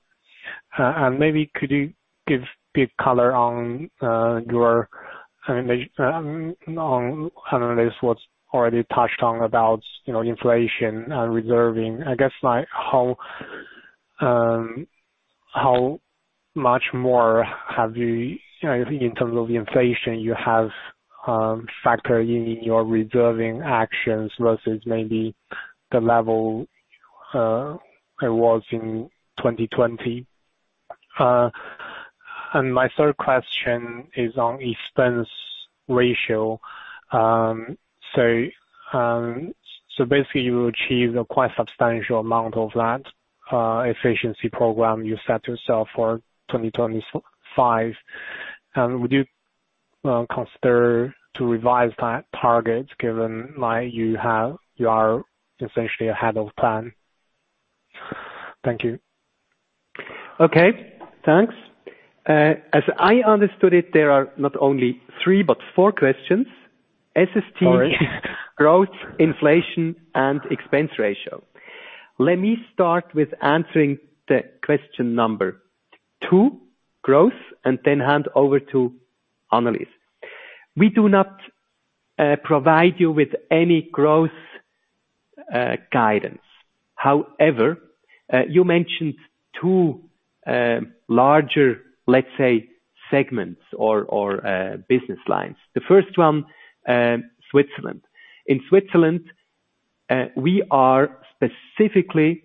Speaker 6: Maybe could you give a bit of color on, I mean, on Annelis what's already touched on about, you know, inflation and reserving. I guess, like, how much more have you know, in terms of the inflation you have factored in in your reserving actions versus maybe the level it was in 2020. My 3rd question is on expense ratio. So basically you achieve a quite substantial amount of that efficiency program you set yourself for 2025. Would you consider to revise that target given, like, you are essentially ahead of plan? Thank you.
Speaker 2: Okay, thanks. As I understood it, there are not only 3 but 4 questions.
Speaker 6: Sorry.
Speaker 2: Growth, inflation, and expense ratio. Let me start with answering the question number 2, growth, and then hand over to Annelis. We do not provide you with any growth guidance. However, you mentioned 2 larger, let's say, segments or business lines. The 1st one, Switzerland. In Switzerland- We are specifically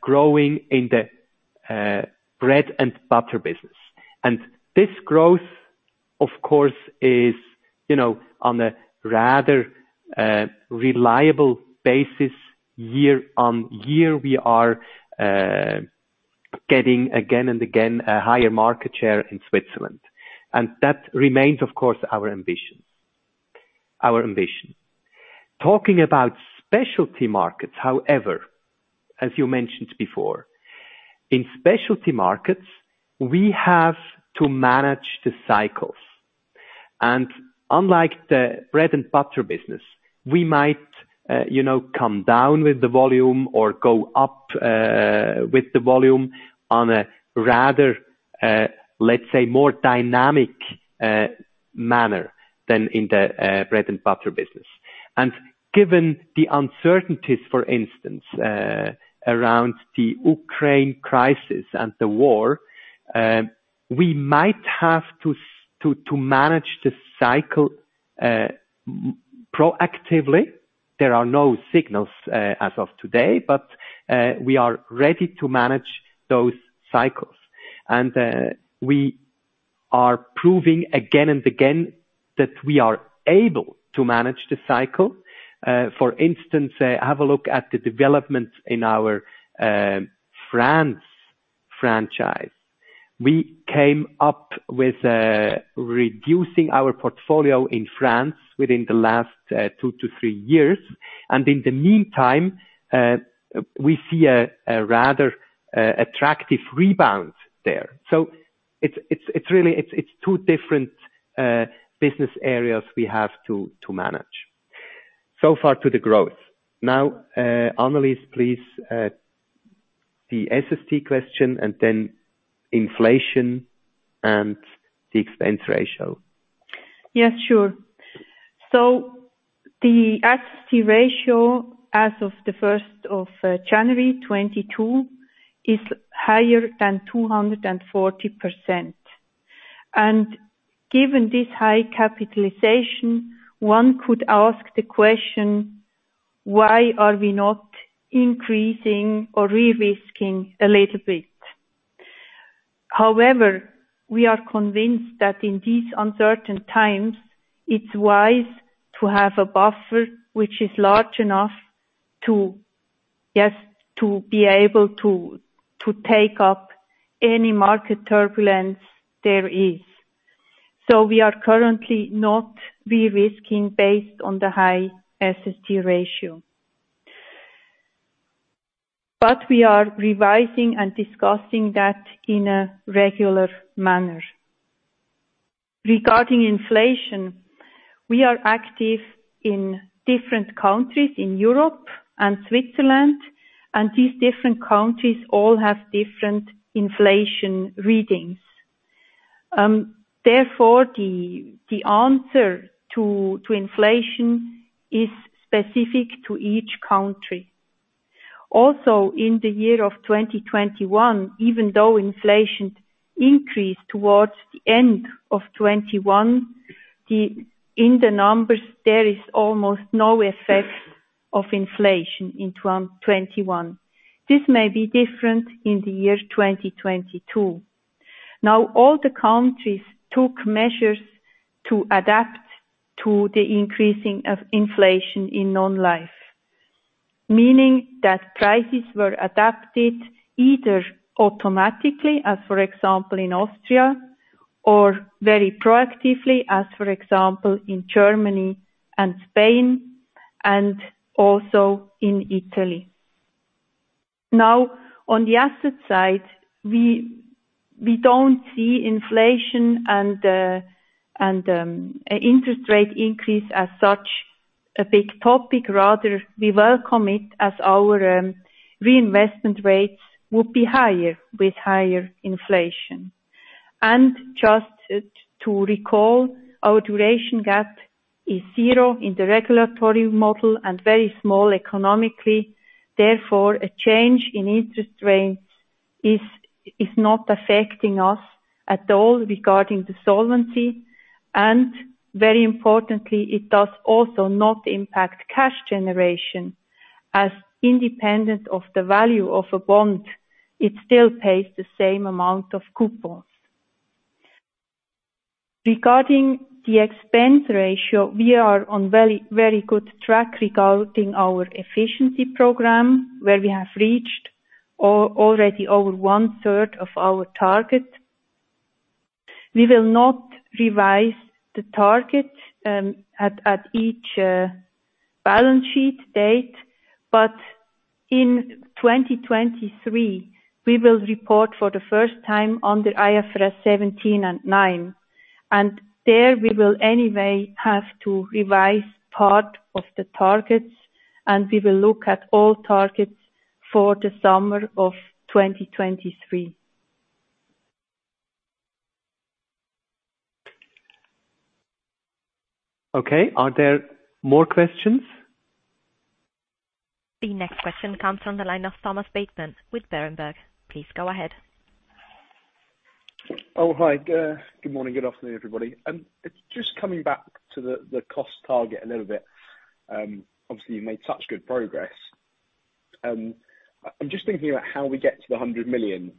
Speaker 2: growing in the bread and butter business. This growth, of course, is, you know, on a rather reliable basis. Year on year, we are getting again and again a higher market share in Switzerland. That remains, of course, our ambition. Talking about specialty markets however, as you mentioned before, in specialty markets, we have to manage the cycles. Unlike the bread and butter business, we might, you know, come down with the volume or go up with the volume on a rather, let's say, more dynamic manner than in the bread and butter business. Given the uncertainties, for instance, around the Ukraine crisis and the war, we might have to to manage the cycle proactively. There are no signals as of today, but we are ready to manage those cycles. We are proving again and again that we are able to manage the cycle. For instance, have a look at the developments in our France franchise. We came up with reducing our portfolio in France within the last 2-3 years. In the meantime, we see a rather attractive rebound there. It's really two different business areas we have to manage. So far to the growth. Now, Anneliese, please, the SST question and then inflation and the expense ratio.
Speaker 3: Yes, sure. The SST ratio as of January 1, 2022 is higher than 240%. Given this high capitalization, one could ask the question, why are we not increasing or re-risking a little bit? We are convinced that in these uncertain times, it's wise to have a buffer which is large enough to just be able to take up any market turbulence there is. We are currently not re-risking based on the high SST ratio. We are revising and discussing that in a regular manner. Regarding inflation, we are active in different countries in Europe and Switzerland, and these different countries all have different inflation readings. Therefore, the answer to inflation is specific to each country. In the year of 2021, even though inflation increased towards the end of 2021, in the numbers there is almost no effect of inflation in 2021. This may be different in the year 2022. Now, all the countries took measures to adapt to the increasing of inflation in non-life. Meaning that prices were adapted either automatically, as for example in Austria or very proactively, as for example in Germany and Spain and also in Italy. Now on the asset side, we don't see inflation and interest rate increase as such a big topic. Rather, we welcome it as our reinvestment rates would be higher with higher inflation. Just to recall, our duration gap is zero in the regulatory model and very small economically. Therefore, a change in interest rates is not affecting us at all regarding the solvency. Very importantly, it does also not impact cash generation as independent of the value of a bond, it still pays the same amount of coupons. Regarding the expense ratio, we are on very, very good track regarding our efficiency program where we have reached already over one-third of our target. We will not revise the target, at each balance sheet date, but in 2023 we will report for the first time under IFRS 17 and 9, and there we will anyway have to revise part of the targets and we will look at all targets for the summer of 2023.
Speaker 2: Okay. Are there more questions?
Speaker 1: The next question comes on the line of Thomas Bateman with Berenberg. Please go ahead.
Speaker 7: Oh, hi. Good morning, good afternoon, everybody. Just coming back to the cost target a little bit. Obviously you've made such good progress. I'm just thinking about how we get to the 100 million,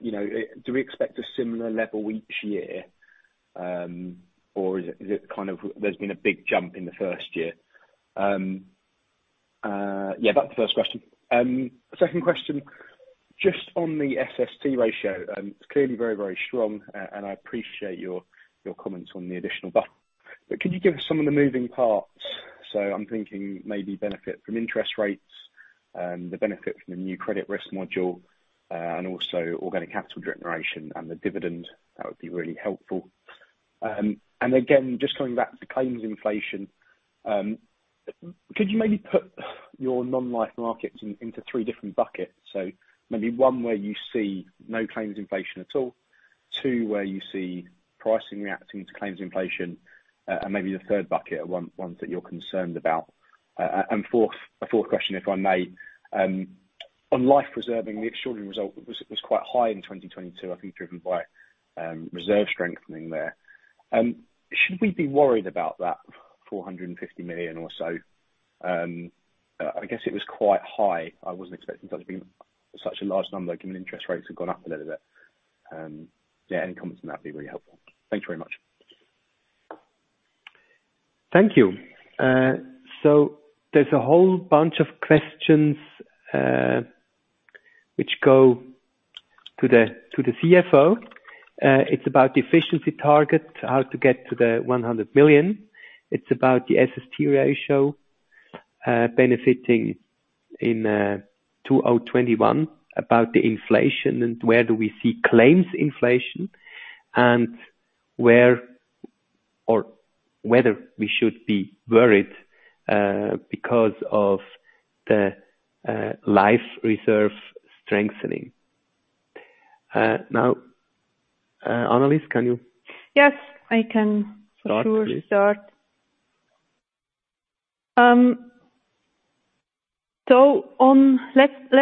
Speaker 7: you know, do we expect a similar level each year? Or is it kind of, there's been a big jump in the 1st year? Yeah, that's the first question. Second question, just on the SST ratio, it's clearly very, very strong. And I appreciate your comments on the additional buffer. But could you give us some of the moving parts? So I'm thinking maybe benefit from interest rates, the benefit from the new credit risk module, and also organic capital generation and the dividend. That would be really helpful. Just coming back to claims inflation, could you maybe put your non-life markets into 3 different buckets? So maybe one where you see no claims inflation at all, 2, where you see pricing reacting to claims inflation, and maybe the 3rd bucket are ones that you're concerned about. And a 4th question, if I may. On life reserving the extraordinary result was quite high in 2022. I think driven by reserve strengthening there. Should we be worried about that 450 million or so? I guess it was quite high. I wasn't expecting there to be such a large number, given interest rates have gone up a little bit. Yeah, any comments on that would be really helpful. Thanks very much.
Speaker 2: Thank you. There's a whole bunch of questions which go to the CFO. It's about the efficiency target, how to get to the 100 million. It's about the SST ratio benefiting in 2021, about the inflation and where do we see claims inflation, and where or whether we should be worried because of the life reserve strengthening. Now, Annelis, can you-
Speaker 3: Yes, I can.
Speaker 2: Start, please.
Speaker 3: Let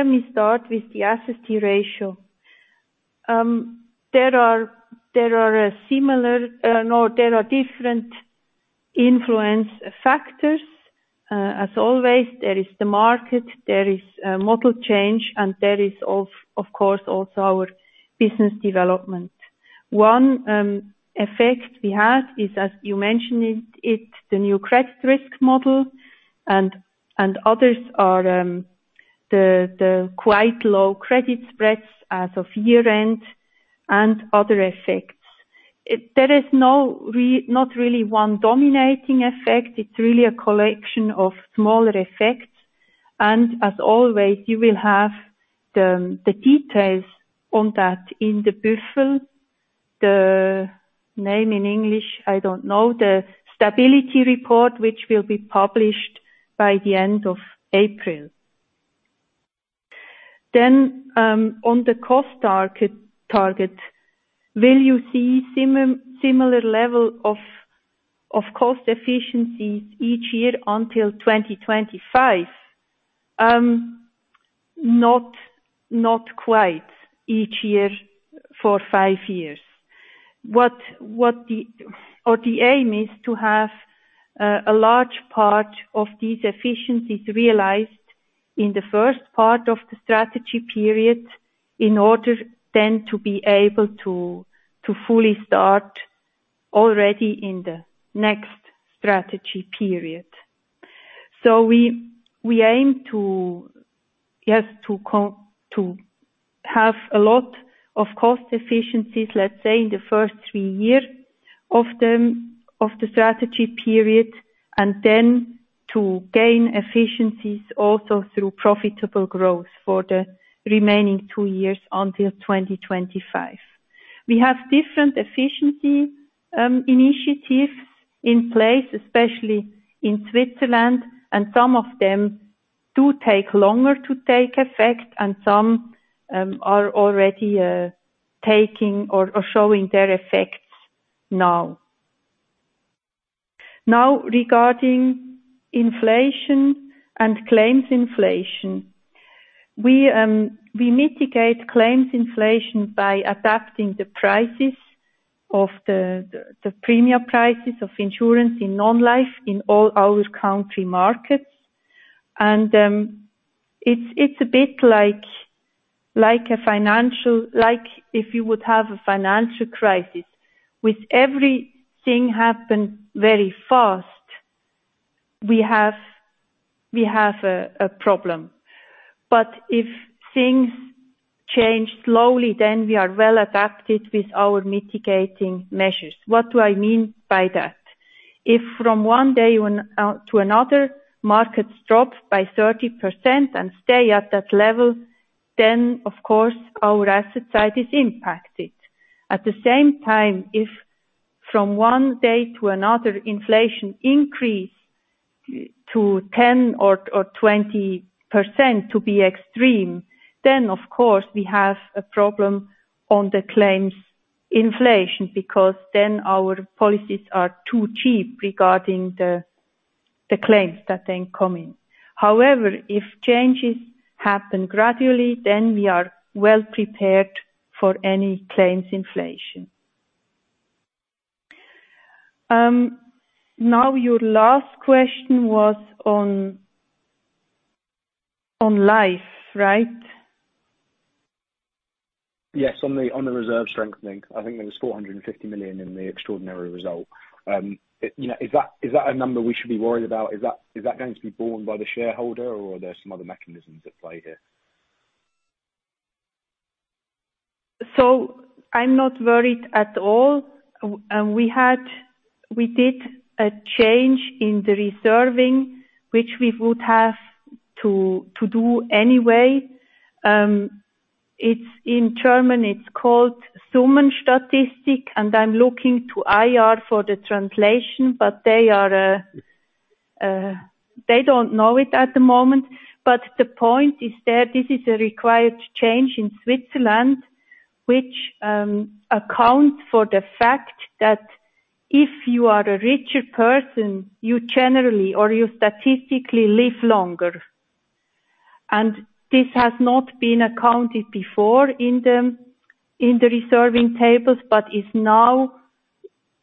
Speaker 3: me start with the SST ratio. There are different influence factors. As always, there is the market, there is a model change, and there is, of course, also our business development. One effect we have is, as you mentioned it, the new credit risk model and others are the quite low credit spreads as of year-end and other effects. There is not really one dominating effect. It's really a collection of smaller effects. As always, you will have the details on that in the Bericht. The name in English, I don't know. The stability report which will be published by the end of April. On the cost target, will you see similar level of cost efficiencies each year until 2025? Not quite each year for 5 years. The aim is to have a large part of these efficiencies realized in the 1st part of the strategy period in order then to be able to fully start already in the next strategy period. We aim to have a lot of cost efficiencies, let's say, in the 1st 3 years of the strategy period, and then to gain efficiencies also through profitable growth for the remaining 2 years until 2025. We have different efficiency initiatives in place, especially in Switzerland, and some of them do take longer to take effect and some are already taking or showing their effects now. Now, regarding inflation and claims inflation. We mitigate claims inflation by adapting the premium prices of insurance in non-life in all our country markets. It's a bit like if you would have a financial crisis. With everything happened very fast, we have a problem. If things change slowly, then we are well adapted with our mitigating measures. What do I mean by that? If from one day to another markets drop by 30% and stay at that level, then of course our asset side is impacted. At the same time, if from one day to another inflation increase to 10 or 20% to be extreme, then of course we have a problem on the claims inflation, because then our policies are too cheap regarding the claims that they come in. However, if changes happen gradually, then we are well prepared for any claims inflation. Now your last question was on life, right?
Speaker 7: Yes. On the reserve strengthening. I think there was 450 million in the extraordinary result. You know, is that a number we should be worried about? Is that going to be borne by the shareholder or are there some other mechanisms at play here?
Speaker 3: I'm not worried at all. We did a change in the reserving, which we would have to do anyway. It's in German, it's called Summenstatistik, and I'm looking to IR for the translation, but they don't know it at the moment. The point is that this is a required change in Switzerland, which accounts for the fact that if you are a richer person, you generally or you statistically live longer. This has not been accounted before in the reserving tables, but is now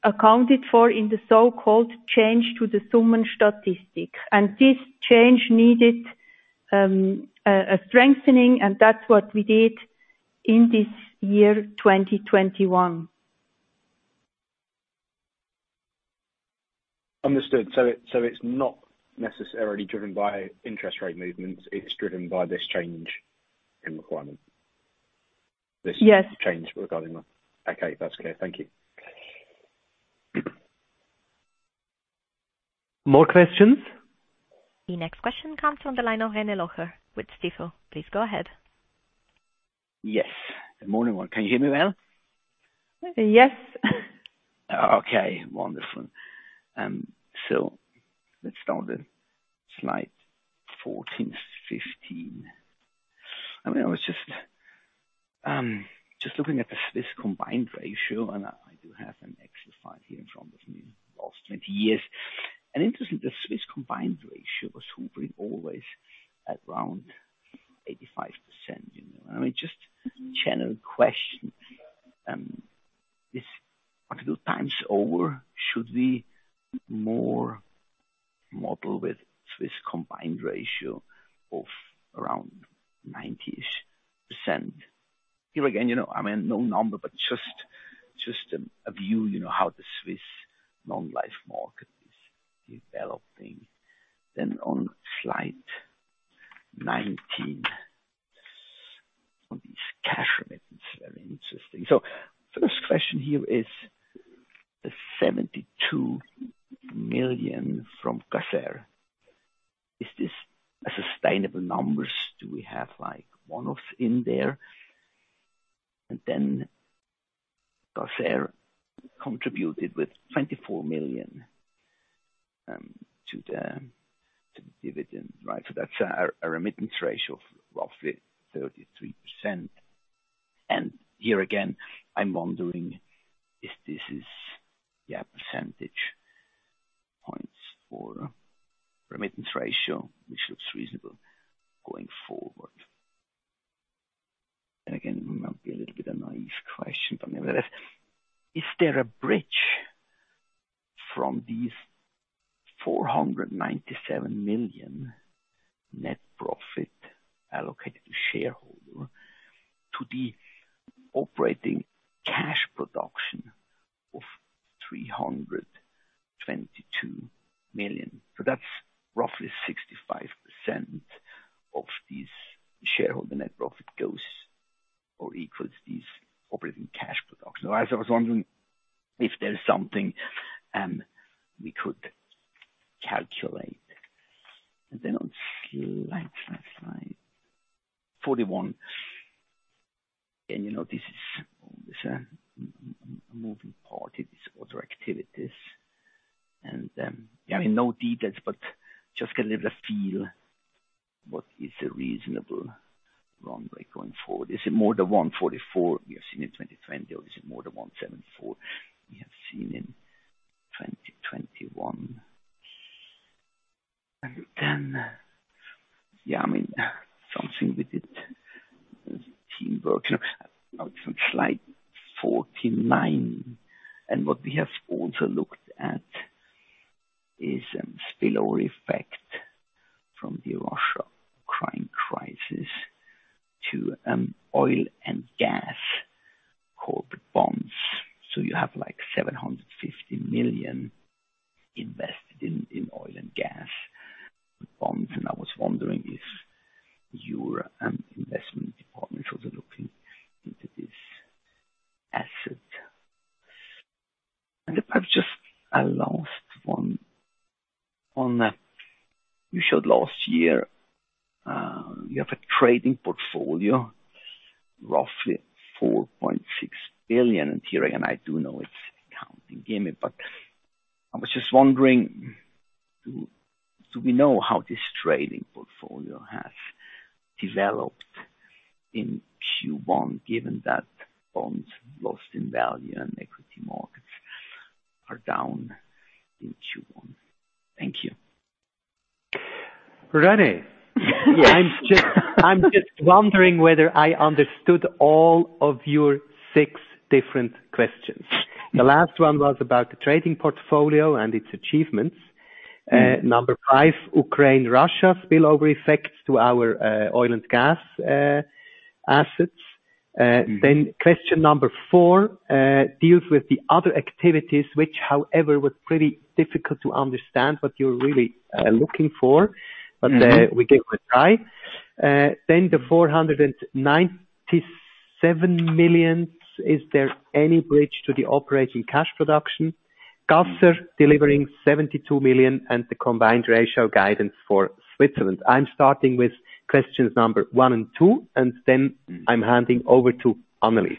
Speaker 3: accounted for in the so-called change to the Summenstatistik. This change needed a strengthening and that's what we did in this year, 2021.
Speaker 7: Understood. It's not necessarily driven by interest rate movements. It's driven by this change in requirement.
Speaker 3: Yes.
Speaker 7: This change regarding that. Okay, that's clear. Thank you.
Speaker 2: More questions?
Speaker 1: The next question comes from the line of René Locher with Stifel. Please go ahead.
Speaker 8: Yes. Good morning. Can you hear me well?
Speaker 3: Yes.
Speaker 8: Okay, wonderful. Let's start with slide 14, 15. I mean, I was just looking at the Swiss combined ratio, and I do have an extra file here in front of me, last 20 years. Interesting, the Swiss combined ratio was hovering always at around 85%, you know. I mean, just general question, this particular time over, should we model more with Swiss combined ratio of around 90%? Here again, you know, I mean, no number, but just a view, you know, how the Swiss non-life market is developing. Then on slide 19, on these cash remittances, very interesting. First question here is the 72 million from Caser. Is this a sustainable number? Do we have, like, one-offs in there? And then Caser contributed with 24 million to the dividend, right? That's a remittance ratio of roughly 33%. Here again, I'm wondering if this is your percentage points for remittance ratio, which looks reasonable going forward. Again, it might be a little bit a naive question, but nevertheless. Is there a bridge from these 497 million net profit allocated to shareholder to the operating cash production of CHF 322 million? That's roughly 65% of these shareholder net profit goes or equals these operating cash production. I was wondering if there's something we could calculate. Then on slide 41. You know, this is this moving parts, these other activities. Yeah, I mean, no details, but just get a little feel what is the reasonable runway going forward. Is it more the 144 we have seen in 2020 or is it more the 174 we have seen in 2021? Then, yeah, I mean, something with it, teamwork. Now from slide 49, what we have also looked at is a spillover effect from the Russia-Ukraine crisis to oil and gas corporate bonds. So you have, like, 750 million invested in oil and gas bonds. I was wondering if your investment department is also looking into this asset. Perhaps just a last one. You showed last year you have a trading portfolio, roughly 4.6 billion. Here again, I do know it's accounting gaming, but I was just wondering, do we know how this trading portfolio has developed? In Q1, given that bonds lost in value and equity markets are down in Q1. Thank you.
Speaker 2: Rene.
Speaker 8: Yes.
Speaker 2: I'm just wondering whether I understood all of your 6 different questions. The last one was about the trading portfolio and its achievements. Number 5, Ukraine-Russia spillover effects to our oil and gas assets. Question number 4 deals with the other activities, which however was pretty difficult to understand what you're really looking for.
Speaker 8: Mm-hmm.
Speaker 2: We gave it a try. 497 million, is there any bridge to the operating cash production?
Speaker 8: Mm-hmm.
Speaker 2: Caser delivering 72 million and the combined ratio guidance for Switzerland. I'm starting with questions number 1 and 2, and then I'm handing over to Annelis.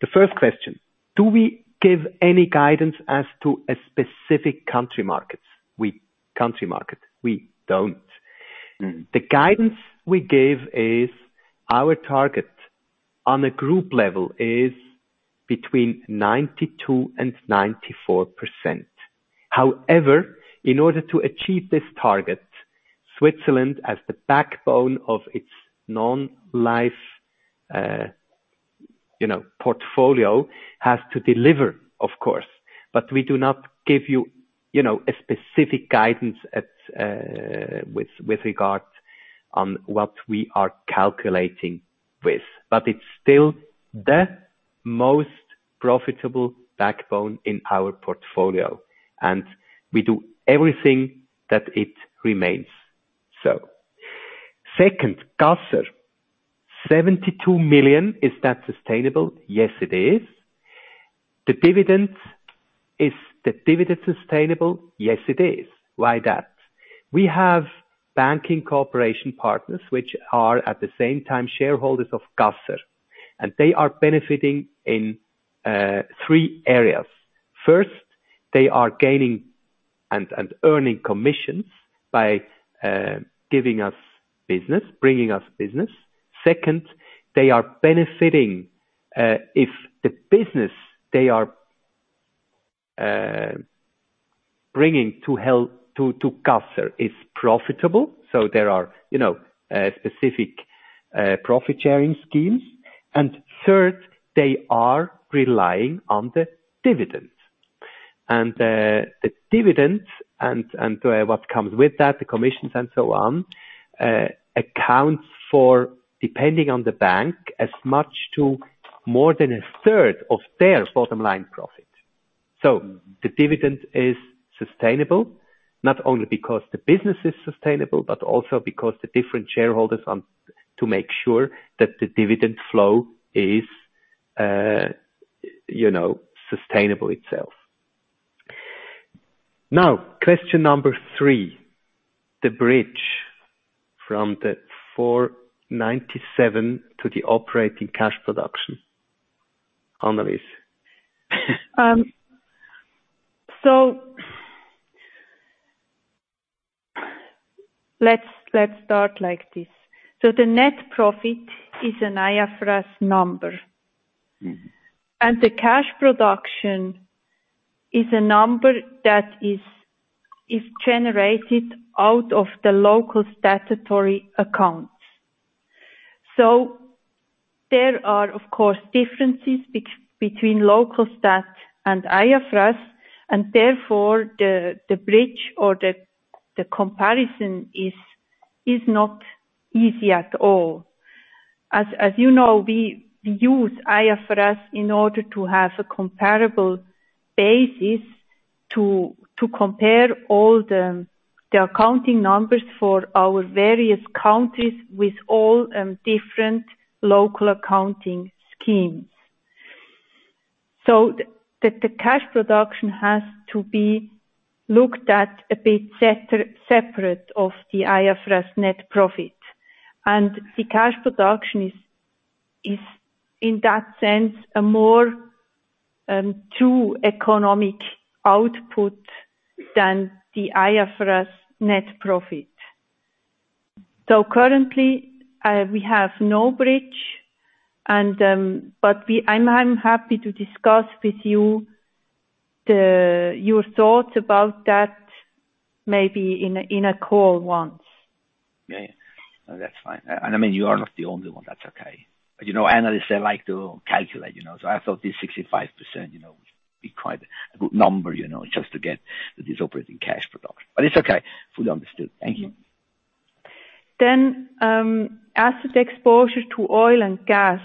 Speaker 2: The 1st question, do we give any guidance as to a specific country market? We don't.
Speaker 8: Mm-hmm.
Speaker 2: The guidance we give is our target on a group level is between 92%-94%. However, in order to achieve this target, Switzerland as the backbone of its non-life portfolio has to deliver, of course. We do not give you a specific guidance with regard to what we are calculating with. It's still the most profitable backbone in our portfolio, and we do everything that it remains so. Second, Caser. 72 million, is that sustainable? Yes, it is. The dividend, is the dividend sustainable? Yes, it is. Why that? We have banking cooperation partners which are at the same time shareholders of Caser, and they are benefiting in 3 areas. First, they are gaining and earning commissions by giving us business, bringing us business. Second, they are benefiting if the business they are bringing to Caser is profitable, so there are, you know, specific profit-sharing schemes. Third, they are relying on the dividends. The dividends and what comes with that, the commissions and so on accounts for, depending on the bank, as much as or more than a 3rd of their bottom line profit. The dividend is sustainable, not only because the business is sustainable, but also because the different shareholders want to make sure that the dividend flow is sustainable itself. Now, question number 3, the bridge from the 497 to the operating cash production. Annelis.
Speaker 3: Let's start like this. The net profit is an IFRS number.
Speaker 2: Mm-hmm.
Speaker 3: The cash production is a number that is generated out of the local statutory accounts. There are of course differences between local stat and IFRS and therefore the bridge or the comparison is not easy at all. As you know, we use IFRS in order to have a comparable basis to compare all the accounting numbers for our various countries with all different local accounting schemes. The cash production has to be looked at a bit separate of the IFRS net profit. The cash production is in that sense a more true economic output than the IFRS net profit. Currently, we have no bridge, but I'm happy to discuss with you your thoughts about that maybe in a call once.
Speaker 8: Okay. No, that's fine. I mean, you are not the only one. That's okay. You know, analysts they like to calculate, you know. I thought this 65%, you know, would be quite a good number, you know, just to get this operating cash production. It's okay. Fully understood. Thank you.
Speaker 3: Asset exposure to oil and gas,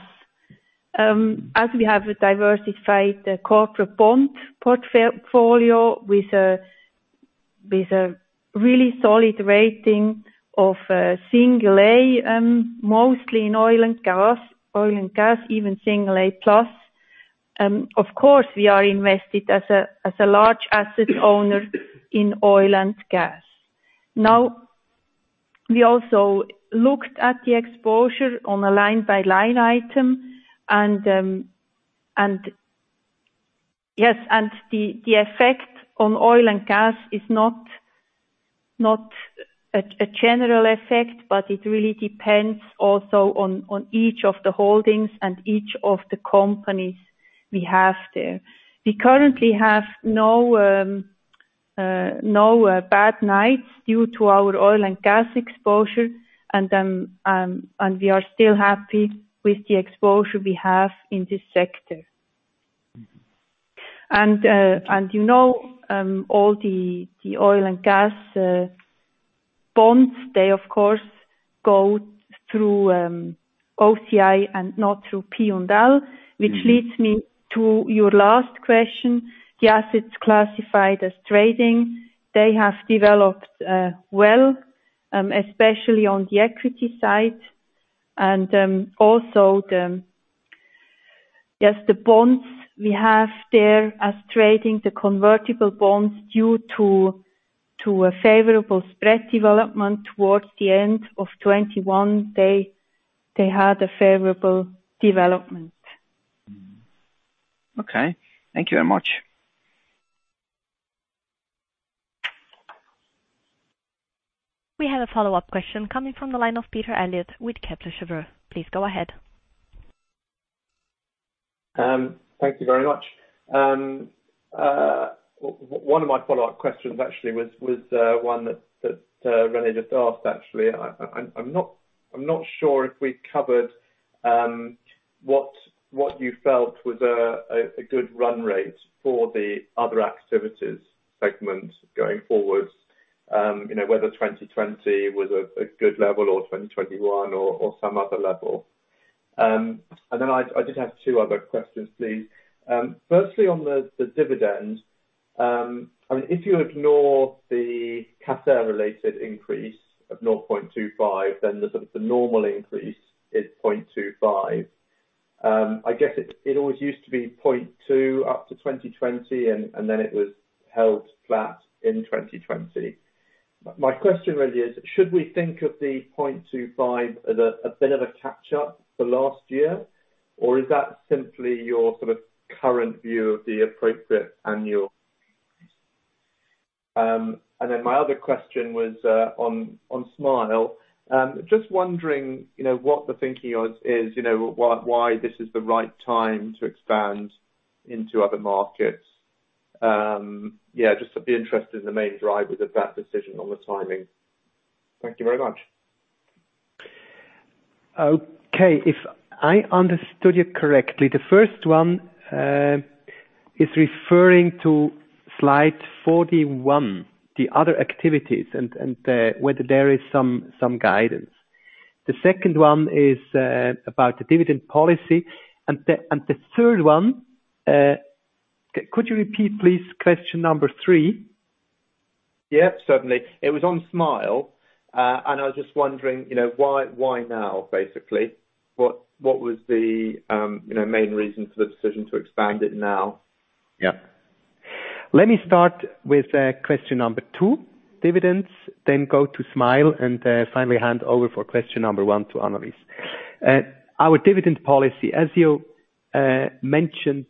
Speaker 3: as we have a diversified corporate bond portfolio with a really solid rating of single A, mostly in oil and gas, even single A plus. Of course, we are invested as a large asset owner in oil and gas. We also looked at the exposure on a line by line item and. Yes, the effect on oil and gas is not a general effect, but it really depends also on each of the holdings and each of the companies we have there. We currently have no bad news due to our oil and gas exposure. We are still happy with the exposure we have in this sector. You know, all the oil and gas bonds, they of course go through OCI and not through P&L. Which leads me to your last question, the assets classified as trading. They have developed well, especially on the equity side. Yes, the bonds we have there as trading the convertible bonds due to a favorable spread development towards the end of 2021, they had a favorable development.
Speaker 8: Okay. Thank you very much.
Speaker 1: We have a follow-up question coming from the line of Peter Eliot with Kepler Cheuvreux. Please go ahead.
Speaker 5: Thank you very much. One of my follow-up questions actually was one that René just asked, actually. I'm not sure if we covered what you felt was a good run rate for the other activities segment going forward. You know, whether 2020 was a good level or 2021 or some other level. I did have 2 other questions, please. Firstly on the dividend. I mean, if you ignore the CAT related increase of 0.25, then the sort of normal increase is 0.25. I guess it always used to be 0.2 up to 2020 and then it was held flat in 2020. My question really is should we think of the 0.25 as a bit of a catch up for last year? Is that simply your sort of current view of the appropriate annual? My other question was on Smile. Just wondering, you know, what the thinking is, you know, why this is the right time to expand into other markets? Yeah, just sort of be interested in the main drivers of that decision on the timing. Thank you very much.
Speaker 2: Okay. If I understood you correctly, the first one is referring to slide 41, the other activities and whether there is some guidance. The second one is about the dividend policy. The 3rd one, could you repeat please question number 3?
Speaker 5: Yeah, certainly. It was on Smile. I was just wondering, you know, why now, basically? What was the main reason for the decision to expand it now?
Speaker 2: Let me start with question number 2, dividends, then go to Smile, and finally hand over for question number 1 to Annelis. Our dividend policy, as you mentioned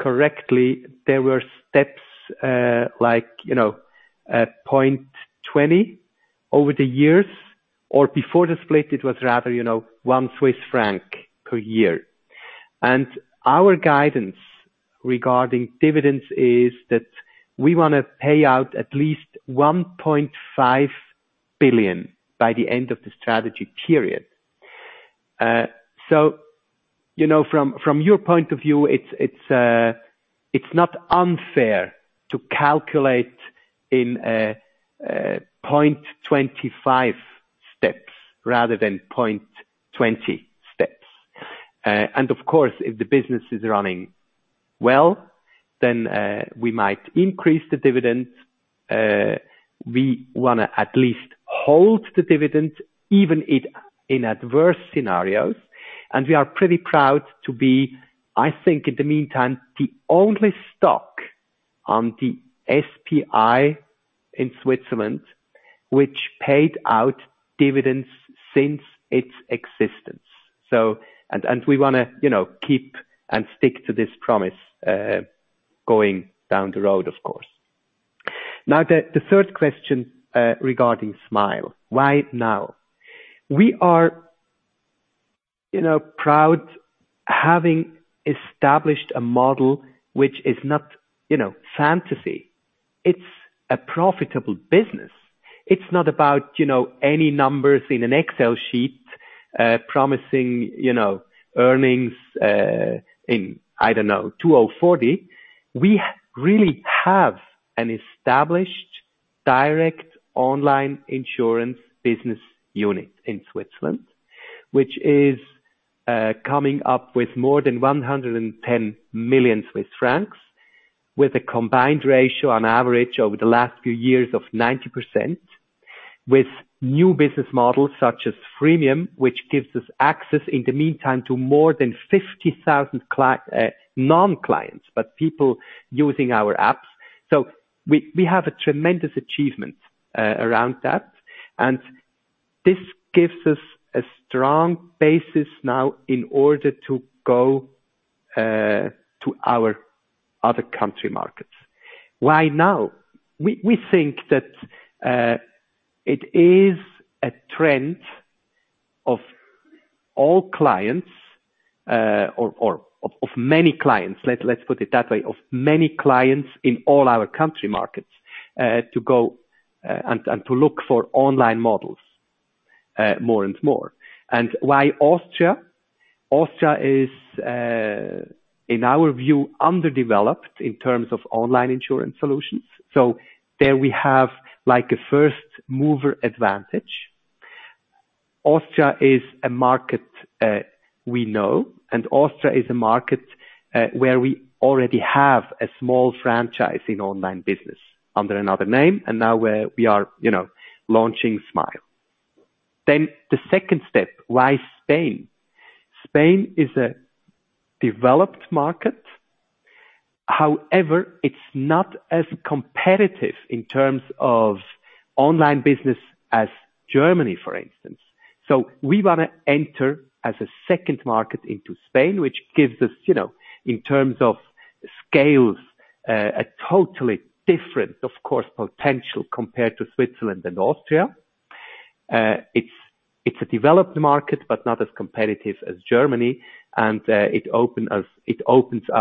Speaker 2: correctly, there were steps like you know at 0.20 over the years, or before the split, it was rather you know 1 Swiss franc per year. Our guidance regarding dividends is that we wanna pay out at least 1.5 billion by the end of the strategy period. So you know from your point of view it's not unfair to calculate in a 0.25 steps rather than 0.20 steps. And of course, if the business is running well, then we might increase the dividend. We wanna at least hold the dividend even in adverse scenarios, and we are pretty proud to be, I think in the meantime, the only stock on the SPI in Switzerland, which paid out dividends since its existence. And we wanna, you know, keep and stick to this promise, going down the road of course. Now, the 3rd question regarding Smile, why now? We are, you know, proud having established a model which is not, you know, fantasy. It's a profitable business. It's not about, you know, any numbers in an Excel sheet, promising, you know, earnings, in, I don't know, 2040. We really have an established direct online insurance business unit in Switzerland, which is coming up with more than 110 million Swiss francs with a combined ratio on average over the last few years of 90% with new business models such as freemium, which gives us access in the meantime to more than 50,000 non-clients, but people using our apps. So we have a tremendous achievement around that. This gives us a strong basis now in order to go to our other country markets. Why now? We think that it is a trend of all clients or of many clients, let's put it that way, of many clients in all our country markets to go and to look for online models more and more. Why Austria? Austria is in our view underdeveloped in terms of online insurance solutions. There we have like a first mover advantage. Austria is a market we know, and where we already have a small franchise in online business under another name, and now we are you know launching Smile. The second step, why Spain? Spain is a developed market. However, it's not as competitive in terms of online business as Germany, for instance. We wanna enter as a second market into Spain, which gives us you know in terms of scales a totally different of course potential compared to Switzerland and Austria. It's a developed market but not as competitive as Germany and it opens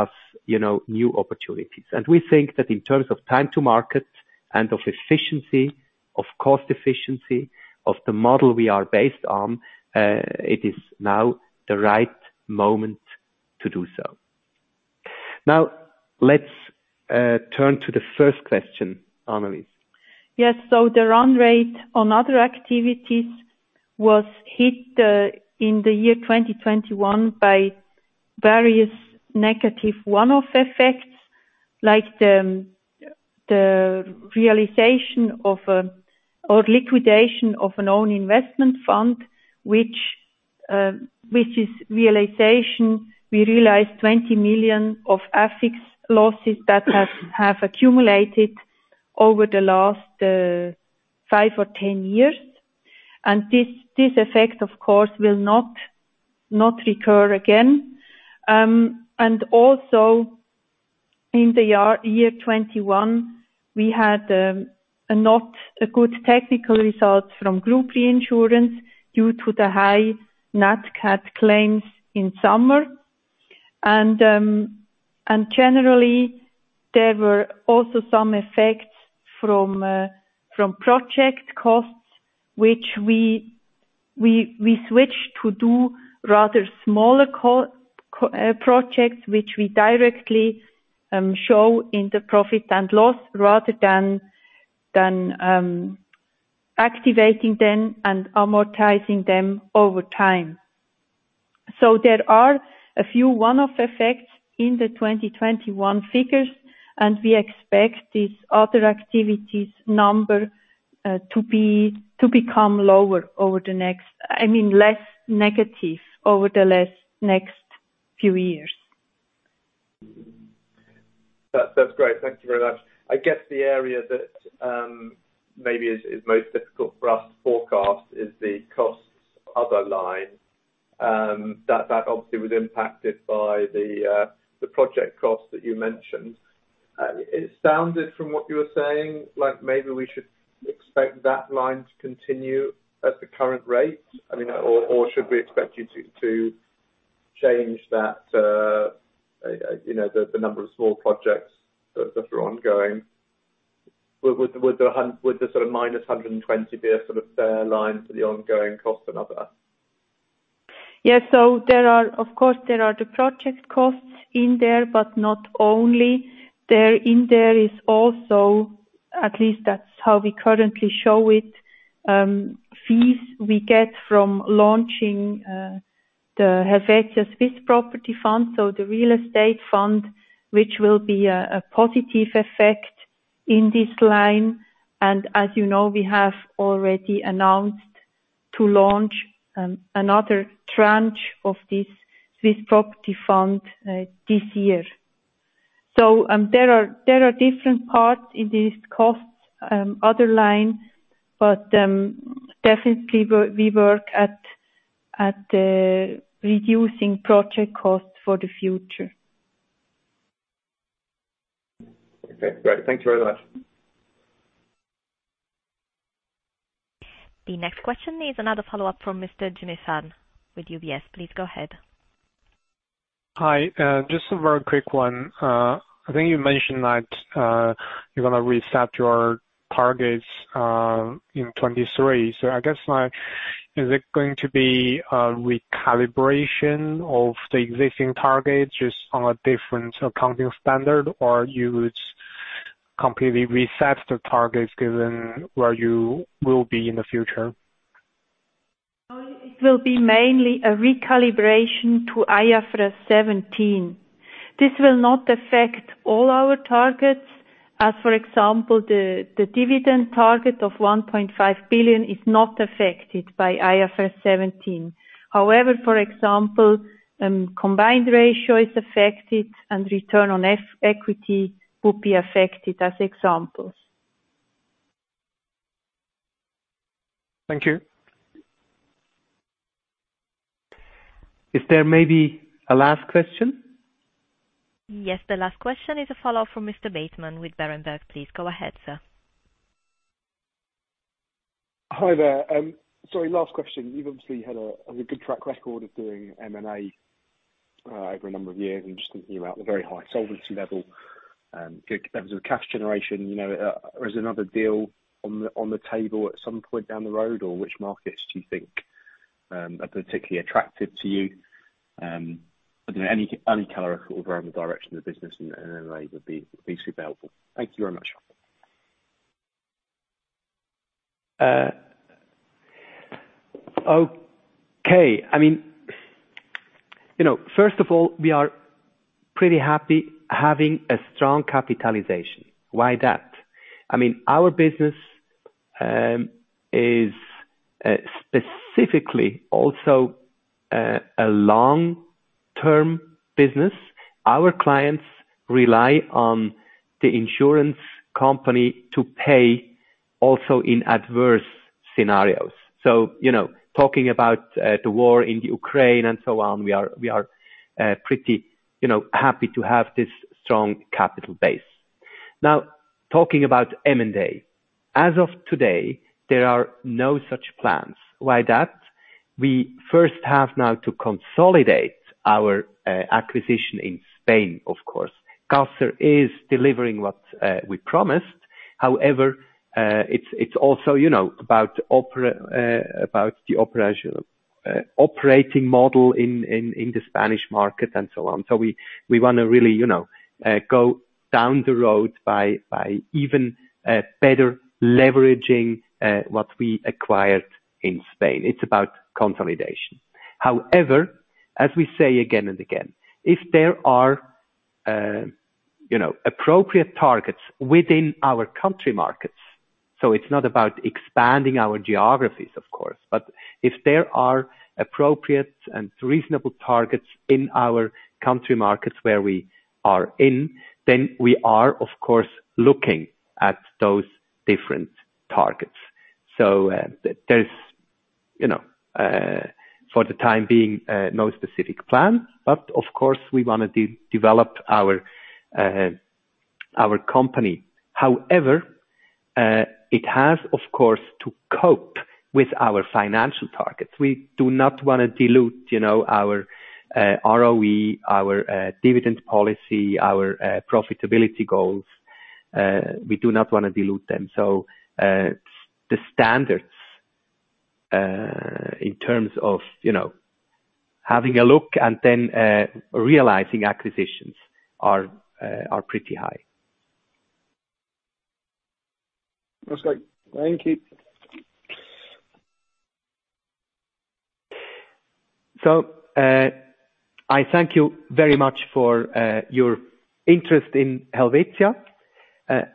Speaker 2: us you know new opportunities. We think that in terms of time to market and of efficiency, of cost efficiency, of the model we are based on, it is now the right moment to do so. Now, let's turn to the first question, Anneliese.
Speaker 3: Yes. The run rate on other activities was hit in the year 2021 by various negative one-off effects, like the realization or liquidation of an own investment fund, which is realization. We realized 20 million of FX losses that have accumulated over the last 5 or 10 years. This effect of course will not recur again. Also in the year 2021, we had a not good technical results from group reinsurance due to the high Natcat claims in summer. Generally, there were also some effects from project costs, which we switched to do rather smaller projects which we directly show in the profit and loss rather than activating them and amortizing them over time. There are a few one-off effects in the 2021 figures, and we expect this other activities number to become lower, I mean, less negative, over the next few years.
Speaker 5: That's great. Thank you very much. I guess the area that maybe is most difficult for us to forecast is the costs and other line that obviously was impacted by the project cost that you mentioned. It sounded from what you were saying like maybe we should expect that line to continue at the current rate. I mean, or should we expect you to change that, you know, the number of small projects that are ongoing. Would the sort of -120 be a sort of fair line for the ongoing costs and other?
Speaker 3: Yeah. There are, of course, the project costs in there, but not only. There is also, at least that's how we currently show it, fees we get from launching the Helvetia Swiss Property Fund. The real estate fund, which will be a positive effect in this line. As you know, we have already announced to launch another tranche of this Swiss property fund this year. There are different parts in these costs other line, but definitely we work at reducing project costs for the future.
Speaker 5: Okay, great. Thank you very much.
Speaker 1: The next question is another follow-up from Mr. Jimmy Yu Fan with UBS. Please go ahead.
Speaker 6: Hi. Just a very quick one. I think you mentioned that you're gonna reset your targets in 2023. I guess, is it going to be a recalibration of the existing targets just on a different accounting standard? Or you would completely reset the targets given where you will be in the future?
Speaker 3: No, it will be mainly a recalibration to IFRS 17. This will not affect all our targets. As for example, the dividend target of 1.5 billion is not affected by IFRS 17. However, for example, combined ratio is affected and return on equity will be affected as examples.
Speaker 2: Thank you. Is there maybe a last question?
Speaker 1: Yes. The last question is a follow-up from Mr. Bateman with Berenberg. Please go ahead, sir.
Speaker 7: Hi there. Sorry, last question. You've obviously had a good track record of doing M&A over a number of years. I'm just thinking about the very high solvency level, good levels of cash generation, you know. Is another deal on the table at some point down the road, or which markets do you think are particularly attractive to you? You know, any color at all around the direction of the business and M&A would be super helpful. Thank you very much.
Speaker 2: Okay. I mean, you know, first of all, we are pretty happy having a strong capitalization. Why that? I mean, our business is specifically also a long-term business. Our clients rely on the insurance company to pay also in adverse scenarios. You know, talking about the war in Ukraine and so on, we are pretty happy to have this strong capital base. Now talking about M&A. As of today, there are no such plans. Why that? We first have now to consolidate our acquisition in Spain, of course. Caser is delivering what we promised. However, it's also, you know, about the operating model in the Spanish market and so on. We wanna really, you know, go down the road by even better leveraging what we acquired in Spain. It's about consolidation. As we say again and again, if there are appropriate targets within our country markets, it's not about expanding our geographies, of course. If there are appropriate and reasonable targets in our country markets where we are in, then we are of course looking at those different targets. There's, you know, for the time being, no specific plan, but of course we wanna develop our company. It has, of course, to cope with our financial targets. We do not wanna dilute our ROE, our dividend policy, our profitability goals. We do not wanna dilute them. The standards in terms of you know having a look and then realizing acquisitions are pretty high.
Speaker 7: Okay. Thank you.
Speaker 2: I thank you very much for your interest in Helvetia.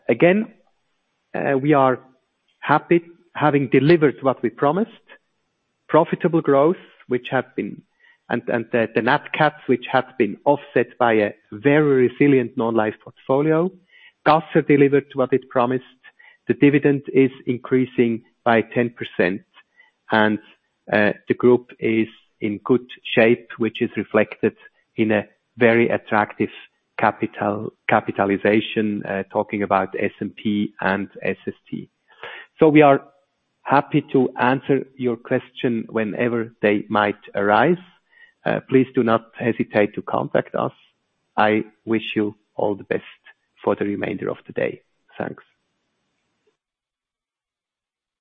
Speaker 2: Again, we are happy having delivered what we promised. Profitable growth which have been and the NatCat, which have been offset by a very resilient non-life portfolio. Caser delivered what it promised. The dividend is increasing by 10%. The group is in good shape, which is reflected in a very attractive capitalization, talking about S&P and SST. We are happy to answer your question whenever they might arise. Please do not hesitate to contact us. I wish you all the best for the remainder of the day. Thanks.